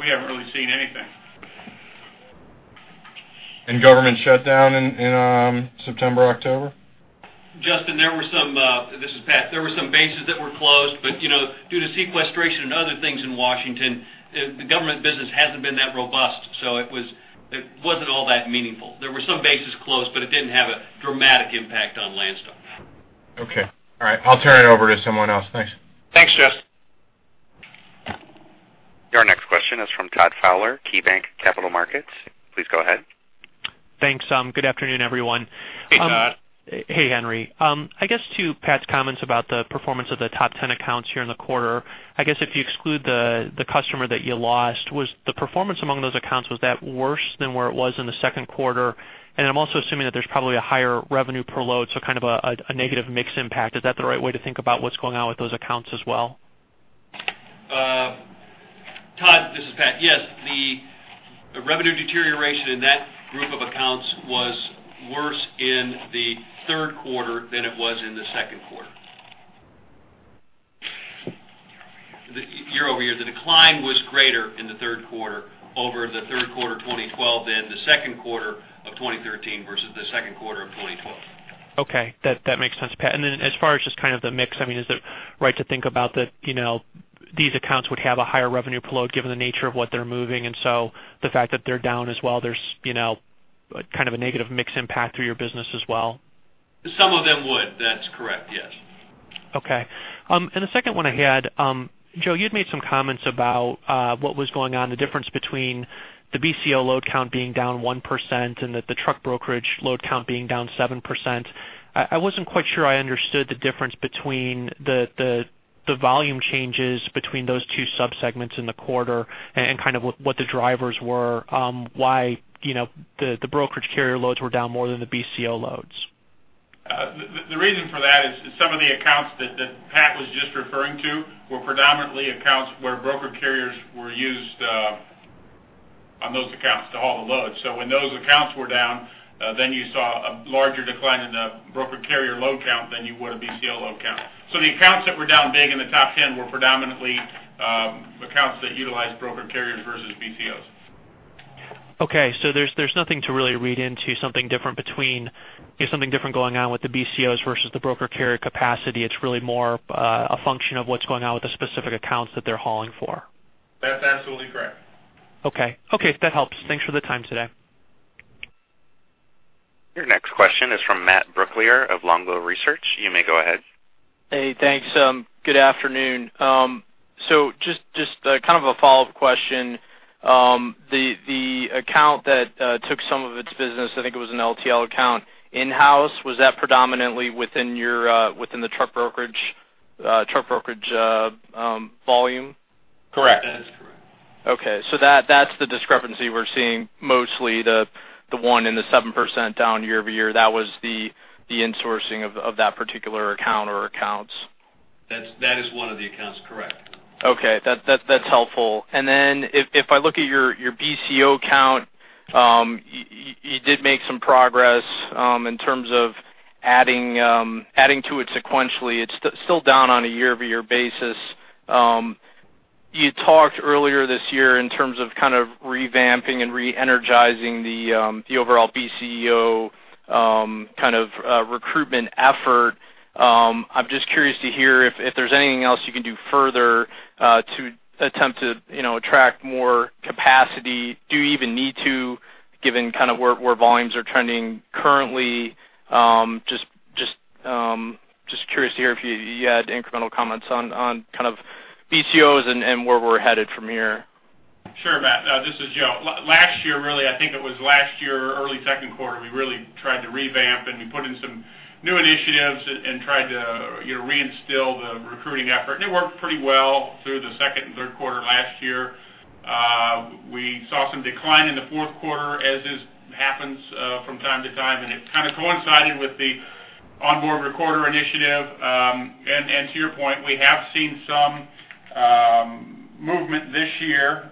we haven't really seen anything.
Government shutdown in September, October?
Justin, there were some. This is Pat. There were some bases that were closed, but, you know, due to sequestration and other things in Washington, the government business hasn't been that robust, so it was, it wasn't all that meaningful. There were some bases closed, but it didn't have a dramatic impact on Landstar.
Okay. All right, I'll turn it over to someone else. Thanks.
Thanks, Justin.
Your next question is from Todd Fowler, KeyBanc Capital Markets. Please go ahead.
Thanks. Good afternoon, everyone.
Hey, Todd.
Hey, Henry. I guess to Pat's comments about the performance of the top 10 accounts here in the quarter, I guess if you exclude the customer that you lost, was the performance among those accounts worse than where it was in the second quarter? And I'm also assuming that there's probably a higher revenue per load, so kind of a negative mix impact. Is that the right way to think about what's going on with those accounts as well?
Todd, this is Pat. Yes, the revenue deterioration in that group of accounts was worse in the third quarter than it was in the second quarter. The year-over-year, the decline was greater in the third quarter over the third quarter 2012 than the second quarter of 2013 versus the second quarter of 2012.
Okay, that, that makes sense, Pat. And then, as far as just kind of the mix, I mean, is it right to think about that, you know, these accounts would have a higher revenue per load, given the nature of what they're moving, and so the fact that they're down as well, there's, you know, kind of a negative mix impact through your business as well?
Some of them would. That's correct, yes.
Okay, and the second one I had, Joe, you'd made some comments about what was going on, the difference between the BCO load count being down 1% and that the truck brokerage load count being down 7%. I wasn't quite sure I understood the difference between the volume changes between those two subsegments in the quarter and kind of what the drivers were, why, you know, the brokerage carrier loads were down more than the BCO loads?...
The reason for that is some of the accounts that Pat was just referring to were predominantly accounts where broker carriers were used on those accounts to haul the load. So when those accounts were down, then you saw a larger decline in the broker carrier load count than you would a BCO load count. So the accounts that were down big in the top ten were predominantly accounts that utilized broker carriers versus BCOs.
Okay, so there's nothing to really read into something different between. There's something different going on with the BCOs versus the broker carrier capacity. It's really more a function of what's going on with the specific accounts that they're hauling for?
That's absolutely correct.
Okay. Okay, that helps. Thanks for the time today.
Your next question is from Matt Brooklier of Longbow Research. You may go ahead.
Hey, thanks. Good afternoon. So just kind of a follow-up question. The account that took some of its business, I think it was an LTL account, in-house, was that predominantly within your truck brokerage volume?
Correct.
That is correct.
Okay, so that's the discrepancy we're seeing, mostly the one in the 7% down year-over-year. That was the insourcing of that particular account or accounts.
That is one of the accounts, correct?
Okay, that's helpful. And then if I look at your BCO count, you did make some progress in terms of adding to it sequentially. It's still down on a year-over-year basis. You talked earlier this year in terms of kind of revamping and reenergizing the overall BCO kind of recruitment effort. I'm just curious to hear if there's anything else you can do further to attempt to, you know, attract more capacity. Do you even need to, given kind of where volumes are trending currently? Just curious to hear if you had incremental comments on kind of BCOs and where we're headed from here.
Sure, Matt. This is Joe. Last year, really, I think it was last year, early second quarter, we really tried to revamp, and we put in some new initiatives and tried to, you know, reinstill the recruiting effort, and it worked pretty well through the second and third quarter last year. We saw some decline in the fourth quarter, as it happens, from time to time, and it kind of coincided with the onboard recorder initiative. And to your point, we have seen some movement this year,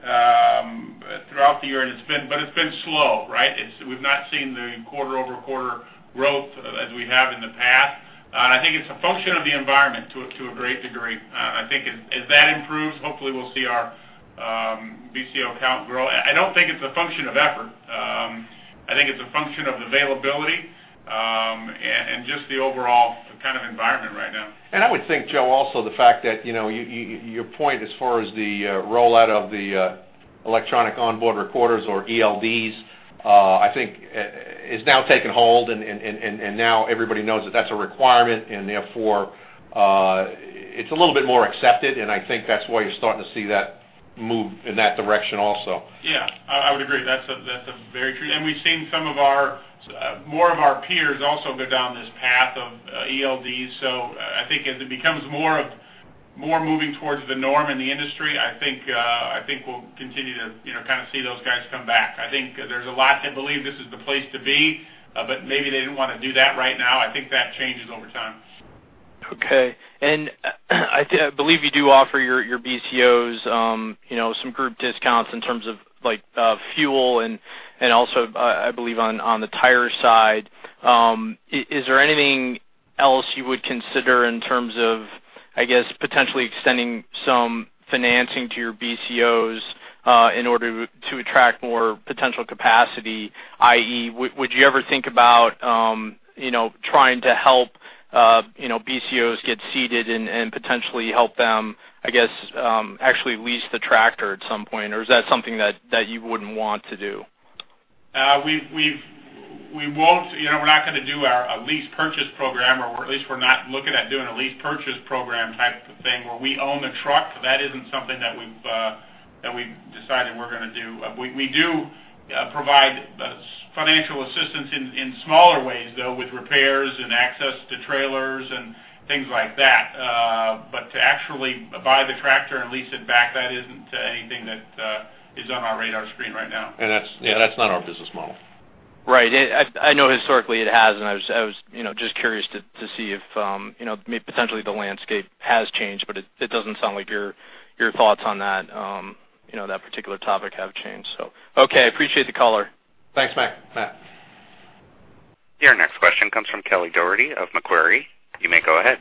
throughout the year, and it's been... but it's been slow, right? We've not seen the quarter-over-quarter growth as we have in the past. I think it's a function of the environment, to a great degree. I think as that improves, hopefully we'll see our BCO count grow. I don't think it's a function of effort. I think it's a function of availability, and just the overall kind of environment right now.
I would think, Joe, also, the fact that, you know, your point as far as the rollout of the electronic onboard recorders or ELDs, I think, is now taking hold, and now everybody knows that that's a requirement, and therefore, it's a little bit more accepted, and I think that's why you're starting to see that move in that direction also.
Yeah, I would agree. That's a very true... And we've seen some of our more of our peers also go down this path of ELDs. So I think as it becomes more of, more moving towards the norm in the industry, I think we'll continue to, you know, kind of see those guys come back. I think there's a lot that believe this is the place to be, but maybe they didn't want to do that right now. I think that changes over time.
Okay. And, I think, I believe you do offer your, your BCOs, you know, some group discounts in terms of, like, fuel and, and also, I believe on, on the tire side. Is there anything else you would consider in terms of, I guess, potentially extending some financing to your BCOs, in order to, to attract more potential capacity, i.e., would you ever think about, you know, trying to help, you know, BCOs get seated and, and potentially help them, I guess, actually lease the tractor at some point? Or is that something that, that you wouldn't want to do?
We've... We won't, you know, we're not going to do our, a lease purchase program, or at least we're not looking at doing a lease purchase program type of thing, where we own the truck. That isn't something that we've decided we're going to do. We do provide the financial assistance in smaller ways, though, with repairs and access to trailers and things like that. But to actually buy the tractor and lease it back, that isn't anything that is on our radar screen right now.
That's, yeah, that's not our business model.
Right. I know historically it has, and I was, you know, just curious to see if, you know, maybe potentially the landscape has changed, but it doesn't sound like your thoughts on that, you know, that particular topic have changed, so. Okay, I appreciate the call.
Thanks, Matt, Matt.
Your next question comes from Kelly Dougherty of Macquarie. You may go ahead.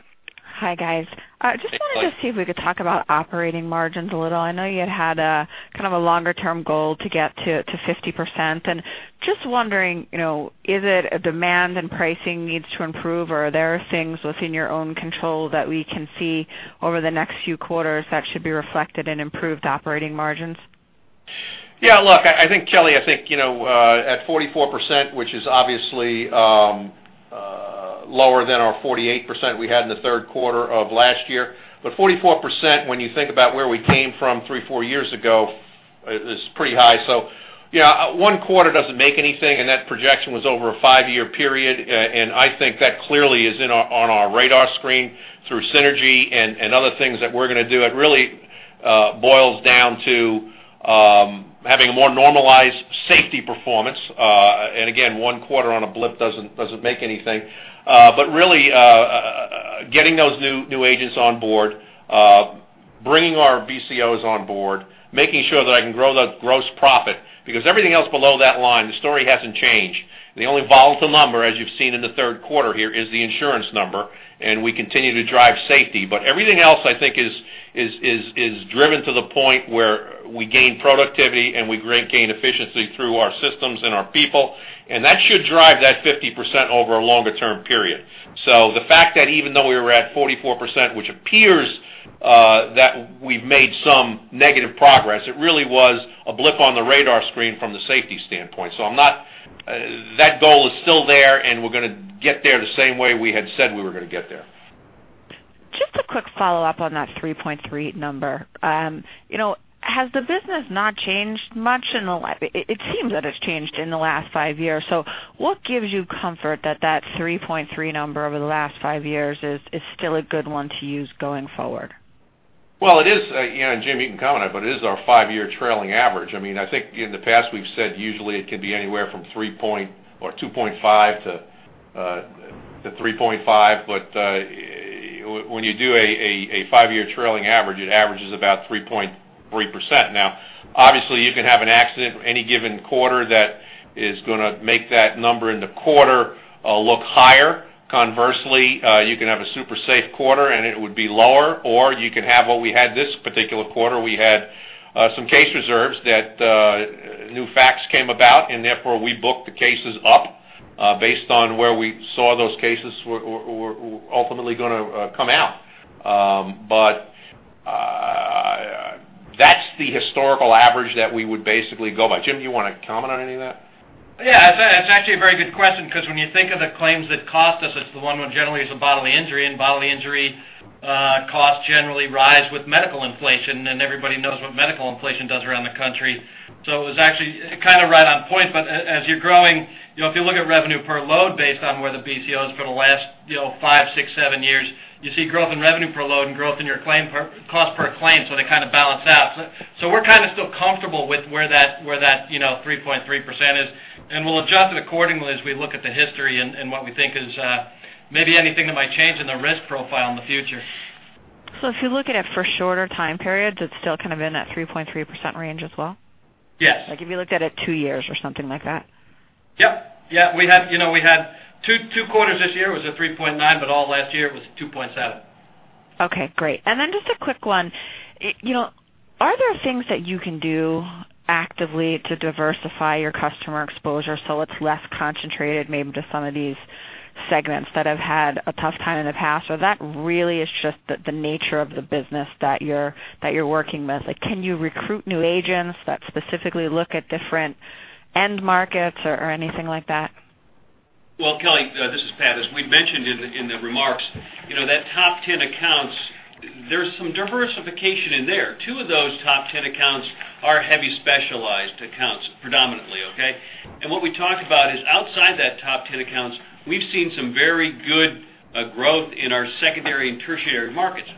Hi, guys.
Hi.
Just wanted to see if we could talk about operating margins a little. I know you had, kind of a longer-term goal to get to, to 50%. And just wondering, you know, is it a demand and pricing needs to improve, or are there things within your own control that we can see over the next few quarters that should be reflected in improved operating margins?
Yeah, look, I think, Kelly, I think, you know, at 44%, which is obviously lower than our 48% we had in the third quarter of last year. But 44%, when you think about where we came from three, four years ago, it's pretty high. So, you know, one quarter doesn't make anything, and that projection was over a five-year period. And I think that clearly is on our radar screen through synergy and other things that we're going to do. It really boils down to having a more normalized safety performance. And again, one quarter on a blip doesn't make anything. But really, getting those new new agents on board, bringing our BCOs on board, making sure that I can grow the gross profit, because everything else below that line, the story hasn't changed. The only volatile number, as you've seen in the third quarter here, is the insurance number, and we continue to drive safety. But everything else, I think, is driven to the point where we gain productivity and we greatly gain efficiency through our systems and our people, and that should drive that 50% over a longer term period. So the fact that even though we were at 44%, which appears that we've made some negative progress, it really was a blip on the radar screen from the safety standpoint. I'm not. That goal is still there, and we're gonna get there the same way we had said we were gonna get there.
Just a quick follow-up on that 3.3 number. You know, has the business not changed much in the last five years? It seems that it's changed in the last five years. So what gives you comfort that that 3.3 number over the last five years is still a good one to use going forward?
Well, it is, you know, and Jim, you can comment on it, but it is our five-year trailing average. I mean, I think in the past, we've said usually it can be anywhere from 2.5 to 3.5. But when you do a five-year trailing average, it averages about 3.3%. Now, obviously, you can have an accident any given quarter that is gonna make that number in the quarter look higher. Conversely, you can have a super safe quarter, and it would be lower, or you could have what we had this particular quarter. We had some case reserves that new facts came about, and therefore, we booked the cases up based on where we saw those cases were ultimately gonna come out. That's the historical average that we would basically go by. Jim, do you wanna comment on any of that?
Yeah, it's actually a very good question 'cause when you think of the claims that cost us, it's the one where generally is a bodily injury, and bodily injury costs generally rise with medical inflation, and everybody knows what medical inflation does around the country. So it was actually kind of right on point. But as you're growing, you know, if you look at revenue per load based on where the BCO is for the last, you know, five, six, seven years, you see growth in revenue per load and growth in your cost per claim, so they kind of balance out. So, we're kind of still comfortable with where that, you know, 3.3% is, and we'll adjust it accordingly as we look at the history and what we think is maybe anything that might change in the risk profile in the future.
If you look at it for shorter time periods, it's still kind of in that 3.3% range as well?
Yes.
Like, if you looked at it 2 years or something like that?
Yep. Yeah, you know, we had two quarters this year was a 3.9, but all last year, it was 2.7.
Okay, great. And then just a quick one: you know, are there things that you can do actively to diversify your customer exposure so it's less concentrated maybe to some of these segments that have had a tough time in the past? Or that really is just the nature of the business that you're working with. Like, can you recruit new agents that specifically look at different end markets or anything like that?
Well, Kelly, this is Pat. As we mentioned in the remarks, you know, that top 10 accounts, there's some diversification in there. Two of those top 10 accounts are heavy specialized accounts, predominantly, okay? And what we talked about is outside that top 10 accounts, we've seen some very good growth in our secondary and tertiary markets.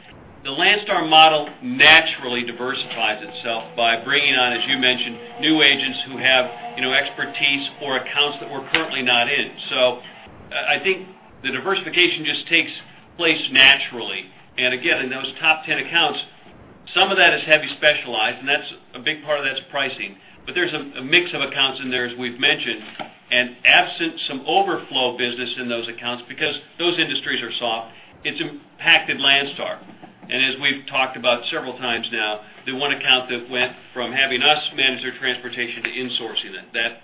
The Landstar model naturally diversifies itself by bringing on, as you mentioned, new agents who have, you know, expertise or accounts that we're currently not in. So I think the diversification just takes place naturally. And again, in those top 10 accounts, some of that is heavy specialized, and that's a big part of that's pricing. But there's a mix of accounts in there, as we've mentioned, and absent some overflow business in those accounts because those industries are soft, it's impacted Landstar. As we've talked about several times now, the one account that went from having us manage their transportation to insourcing it,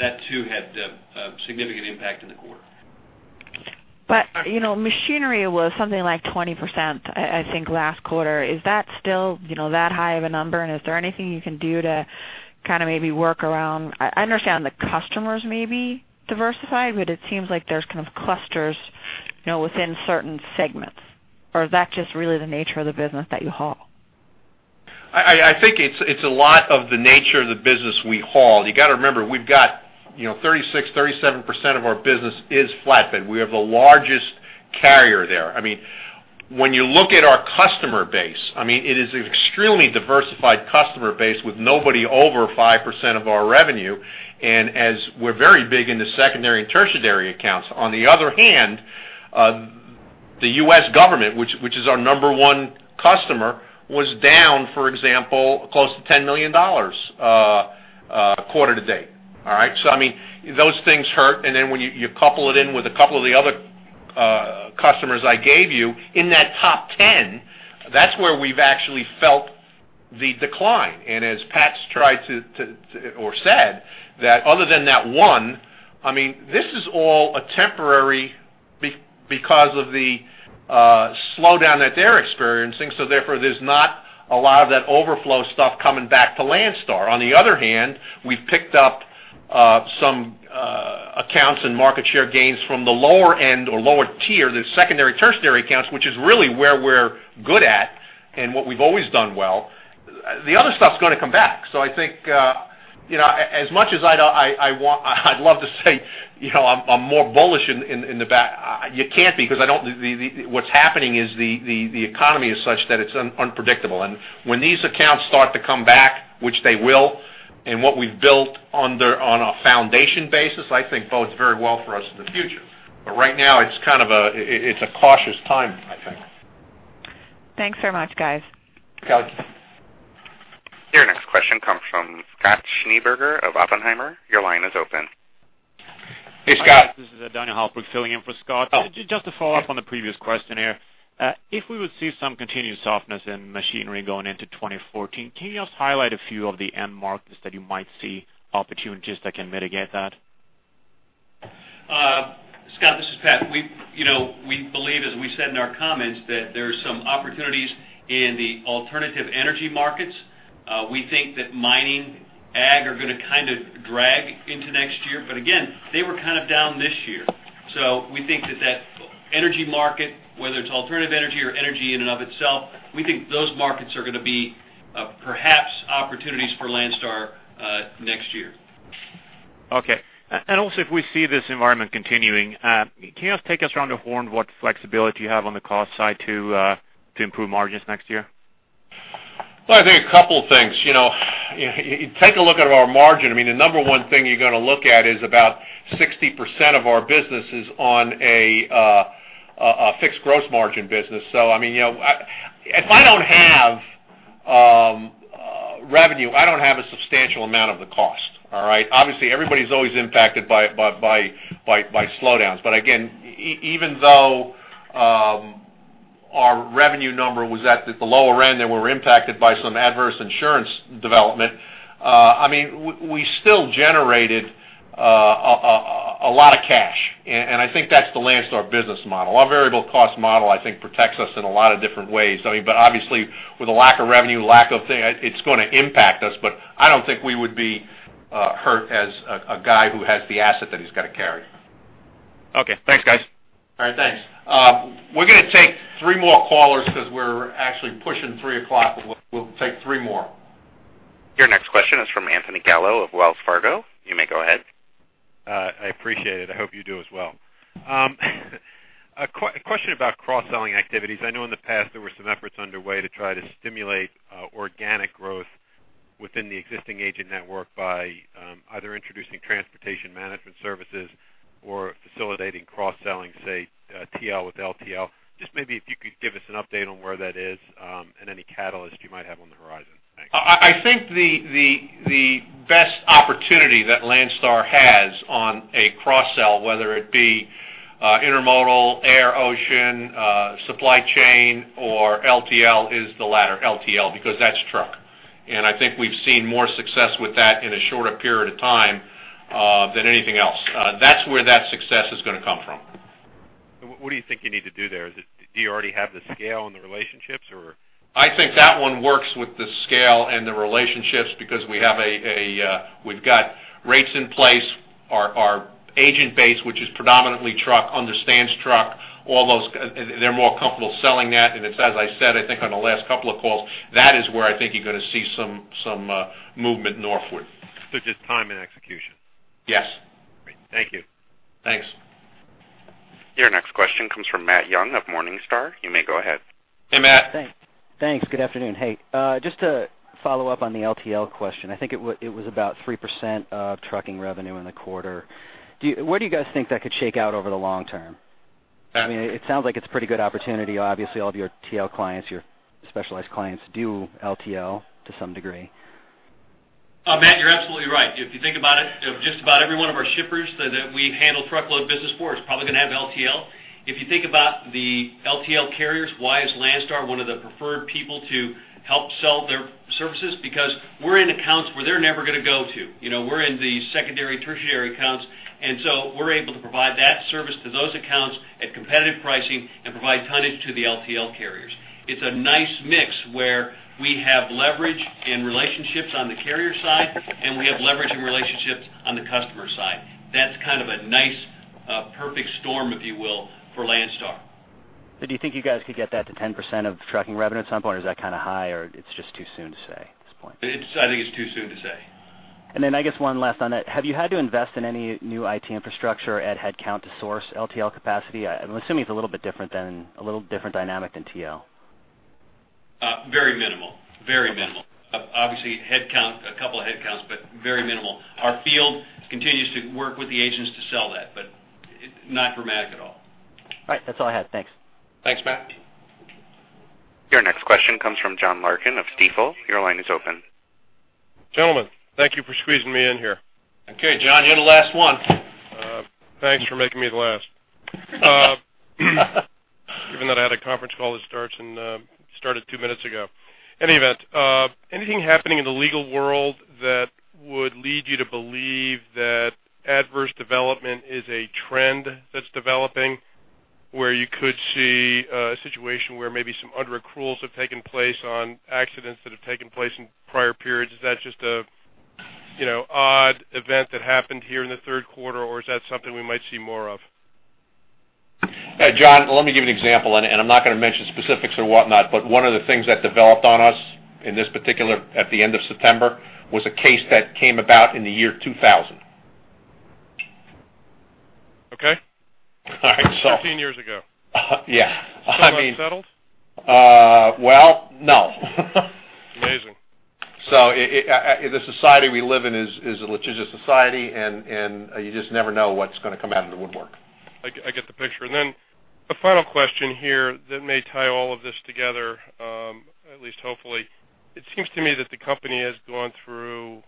that too had a significant impact in the quarter.
You know, machinery was something like 20%, I think, last quarter. Is that still, you know, that high of a number? And is there anything you can do to kind of maybe work around... I understand the customers may be diversified, but it seems like there's kind of clusters, you know, within certain segments, or is that just really the nature of the business that you haul?
I think it's a lot of the nature of the business we haul. You got to remember, we've got, you know, 36%-37% of our business is flatbed. We are the largest carrier there. I mean, when you look at our customer base, I mean, it is an extremely diversified customer base with nobody over 5% of our revenue, and as we're very big in the secondary and tertiary accounts. On the other hand, the U.S. government, which is our number one customer, was down, for example, close to $10 million quarter-to-date. All right? So, I mean, those things hurt, and then when you couple it in with a couple of the other customers I gave you in that top 10, that's where we've actually felt the decline. And as Pat's tried to or said, that other than that one, I mean, this is all a temporary because of the slowdown that they're experiencing, so therefore, there's not a lot of that overflow stuff coming back to Landstar. On the other hand, we've picked up some accounts and market share gains from the lower end or lower tier, the secondary, tertiary accounts, which is really where we're good at and what we've always done well. The other stuff's gonna come back. So I think, you know, as much as I'd want— I'd love to say, you know, I'm more bullish in the back, you can't because I don't... What's happening is the economy is such that it's unpredictable. And when these accounts start to come back, which they will-... what we've built on a foundation basis, I think bodes very well for us in the future. But right now, it's kind of a cautious time, I think.
Thanks very much, guys.
Okay.
Your next question comes from Scott Schneeberger of Oppenheimer. Your line is open.
Hey, Scott.
This is Daniel Alford, filling in for Scott.
Oh.
Just to follow up on the previous question here. If we would see some continued softness in machinery going into 2014, can you just highlight a few of the end markets that you might see opportunities that can mitigate that?
Scott, this is Pat. We, you know, we believe, as we said in our comments, that there are some opportunities in the alternative energy markets. We think that mining, ag, are going to kind of drag into next year, but again, they were kind of down this year. So we think that, that energy market, whether it's alternative energy or energy in and of itself, we think those markets are going to be, perhaps opportunities for Landstar, next year.
Okay. And also, if we see this environment continuing, can you just take us around the horn, what flexibility you have on the cost side to improve margins next year?
Well, I think a couple of things. You know, if you take a look at our margin, I mean, the number one thing you're going to look at is about 60% of our business is on a fixed gross margin business. So I mean, you know, if I don't have revenue, I don't have a substantial amount of the cost. All right? Obviously, everybody's always impacted by slowdowns. But again, even though our revenue number was at the lower end, and we were impacted by some adverse insurance development, I mean, we still generated a lot of cash, and I think that's the Landstar business model. Our variable cost model, I think, protects us in a lot of different ways. I mean, but obviously, with a lack of revenue, lack of things, it's going to impact us, but I don't think we would be hurt as a guy who has the asset that he's got to carry.
Okay. Thanks, guys.
All right, thanks. We're going to take three more callers because we're actually pushing 3:00 P.M. We'll take three more.
Your next question is from Anthony Gallo of Wells Fargo. You may go ahead.
I appreciate it. I hope you do as well. A question about cross-selling activities. I know in the past there were some efforts underway to try to stimulate organic growth within the existing agent network by either introducing transportation management services or facilitating cross-selling, say, TL with LTL. Just maybe if you could give us an update on where that is and any catalyst you might have on the horizon. Thanks.
I think the best opportunity that Landstar has on a cross-sell, whether it be, intermodal, air, ocean, supply chain, or LTL, is the latter, LTL, because that's truck. And I think we've seen more success with that in a shorter period of time, than anything else. That's where that success is going to come from.
What do you think you need to do there? Do you already have the scale and the relationships, or?
I think that one works with the scale and the relationships because we have, we've got rates in place. Our agent base, which is predominantly truck, understands truck, all those, they're more comfortable selling that. And it's, as I said, I think on the last couple of calls, that is where I think you're going to see some movement northward.
So just time and execution?
Yes.
Great. Thank you.
Thanks.
Your next question comes from Matt Young of Morningstar. You may go ahead.
Hey, Matt.
Thanks. Thanks. Good afternoon. Hey, just to follow up on the LTL question, I think it was, it was about 3% of trucking revenue in the quarter. Do you, where do you guys think that could shake out over the long term?
Yeah.
I mean, it sounds like it's a pretty good opportunity. Obviously, all of your TL clients, your specialized clients, do LTL to some degree.
Matt, you're absolutely right. If you think about it, just about every one of our shippers that we handle truckload business for, is probably going to have LTL. If you think about the LTL carriers, why is Landstar one of the preferred people to help sell their services? Because we're in accounts where they're never going to go to. You know, we're in the secondary, tertiary accounts, and so we're able to provide that service to those accounts at competitive pricing and provide tonnage to the LTL carriers. It's a nice mix where we have leverage and relationships on the carrier side, and we have leverage and relationships on the customer side. That's kind of a nice, perfect storm, if you will, for Landstar. So do you think you guys could get that to 10% of trucking revenue at some point, or is that kind of high, or it's just too soon to say at this point? It's, I think it's too soon to say.
And then I guess one last on that. Have you had to invest in any new IT infrastructure at headcount to source LTL capacity? I'm assuming it's a little bit different than, a little different dynamic than TL.
Very minimal. Very minimal. Obviously, headcount, a couple of headcounts, but very minimal. Our field continues to work with the agents to sell that, but not dramatic at all.
All right. That's all I had. Thanks.
Thanks, Matt.
Your next question comes from John Larkin of Stifel. Your line is open.
Gentlemen, thank you for squeezing me in here.
Okay, John, you're the last one.
Thanks for making me the last. Given that I had a conference call that starts and started two minutes ago. Any event, anything happening in the legal world that would lead you to believe that adverse development is a trend that's developing, where you could see a situation where maybe some underaccruals have taken place on accidents that have taken place in prior periods? Is that just a, you know, odd event that happened here in the third quarter, or is that something we might see more of?
John, let me give you an example, and I'm not going to mention specifics or whatnot, but one of the things that developed on us in this particular, at the end of September, was a case that came about in the year 2000....
Okay? All right, so 15 years ago.
Yeah. I mean-
Still unsettled?
Well, no.
Amazing.
The society we live in is a litigious society, and you just never know what's going to come out of the woodwork.
I get, I get the picture. Then a final question here that may tie all of this together, at least hopefully. It seems to me that the company has gone through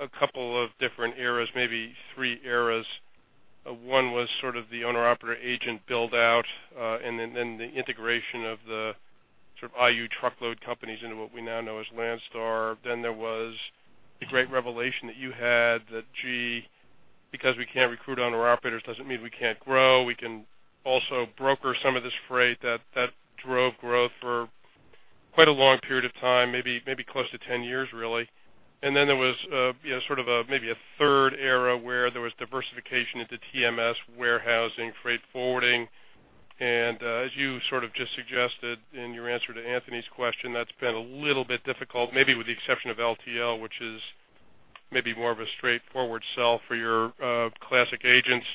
a couple of different eras, maybe three eras. One was sort of the owner-operator agent build-out, and then the integration of the sort of IU truckload companies into what we now know as Landstar. Then there was the great revelation that you had that, gee, because we can't recruit owner-operators doesn't mean we can't grow. We can also broker some of this freight. That drove growth for quite a long period of time, maybe close to 10 years, really. And then there was, you know, sort of a, maybe a third era where there was diversification into TMS, warehousing, freight forwarding, and, as you sort of just suggested in your answer to Anthony's question, that's been a little bit difficult, maybe with the exception of LTL, which is maybe more of a straightforward sell for your, classic agents.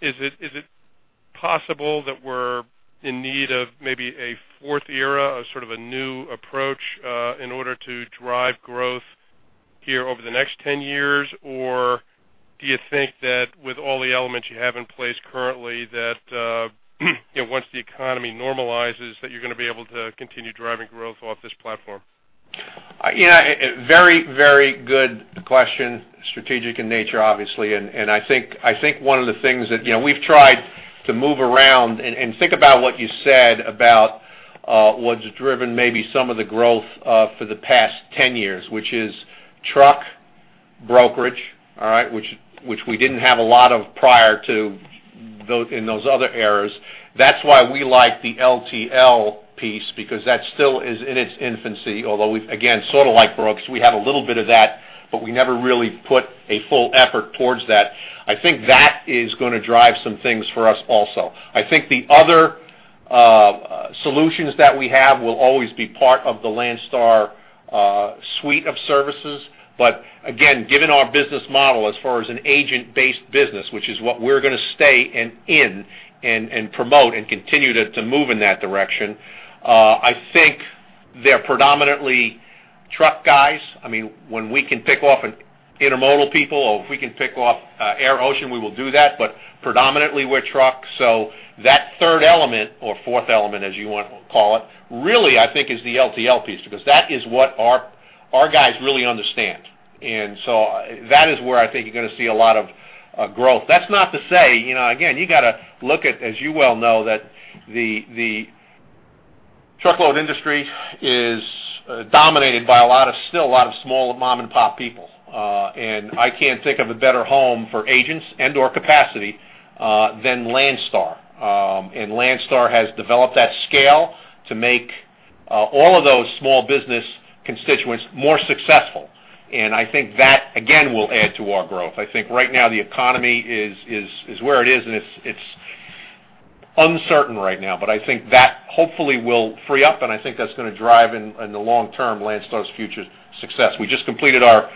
Is it, is it possible that we're in need of maybe a fourth era, a sort of a new approach, in order to drive growth here over the next 10 years? Or do you think that with all the elements you have in place currently, that, you know, once the economy normalizes, that you're going to be able to continue driving growth off this platform?
Yeah, a very, very good question. Strategic in nature, obviously. I think one of the things that... You know, we've tried to move around and think about what you said about what's driven maybe some of the growth for the past 10 years, which is truck brokerage, all right? Which we didn't have a lot of prior to those in those other eras. That's why we like the LTL piece, because that still is in its infancy, although we've, again, sort of like brokerage, we have a little bit of that, but we never really put a full effort towards that. I think that is going to drive some things for us also. I think the other solutions that we have will always be part of the Landstar suite of services. But again, given our business model as far as an agent-based business, which is what we're going to stay in, and promote and continue to move in that direction, I think they're predominantly truck guys. I mean, when we can pick off an intermodal people, or if we can pick off air ocean, we will do that, but predominantly, we're truck. So that third element, or fourth element, as you want to call it, really, I think, is the LTL piece, because that is what our guys really understand. And so that is where I think you're going to see a lot of growth. That's not to say, you know, again, you got to look at, as you well know, that the truckload industry is dominated by a lot of, still a lot of small mom-and-pop people, and I can't think of a better home for agents and/or capacity than Landstar. And Landstar has developed that scale to make all of those small business constituents more successful, and I think that, again, will add to our growth. I think right now, the economy is where it is, and it's uncertain right now, but I think that hopefully will free up, and I think that's going to drive, in the long term, Landstar's future success. We just completed our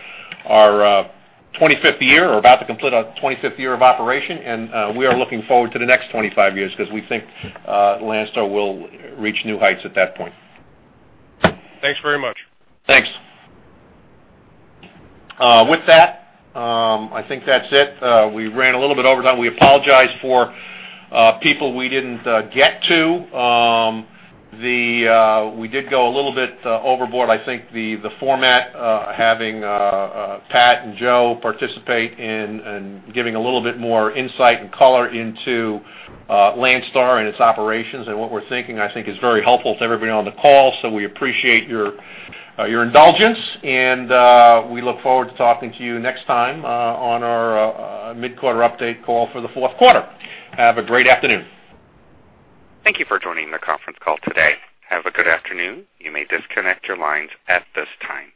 25th year, or about to complete our 25th year of operation, and we are looking forward to the next 25 years because we think Landstar will reach new heights at that point.
Thanks very much.
Thanks. With that, I think that's it. We ran a little bit over time. We apologize for people we didn't get to. We did go a little bit overboard. I think the format, having Pat and Joe participate in giving a little bit more insight and color into Landstar and its operations and what we're thinking, I think is very helpful to everybody on the call. So we appreciate your indulgence, and we look forward to talking to you next time, on our mid-quarter update call for the fourth quarter. Have a great afternoon.
Thank you for joining the conference call today. Have a good afternoon. You may disconnect your lines at this time.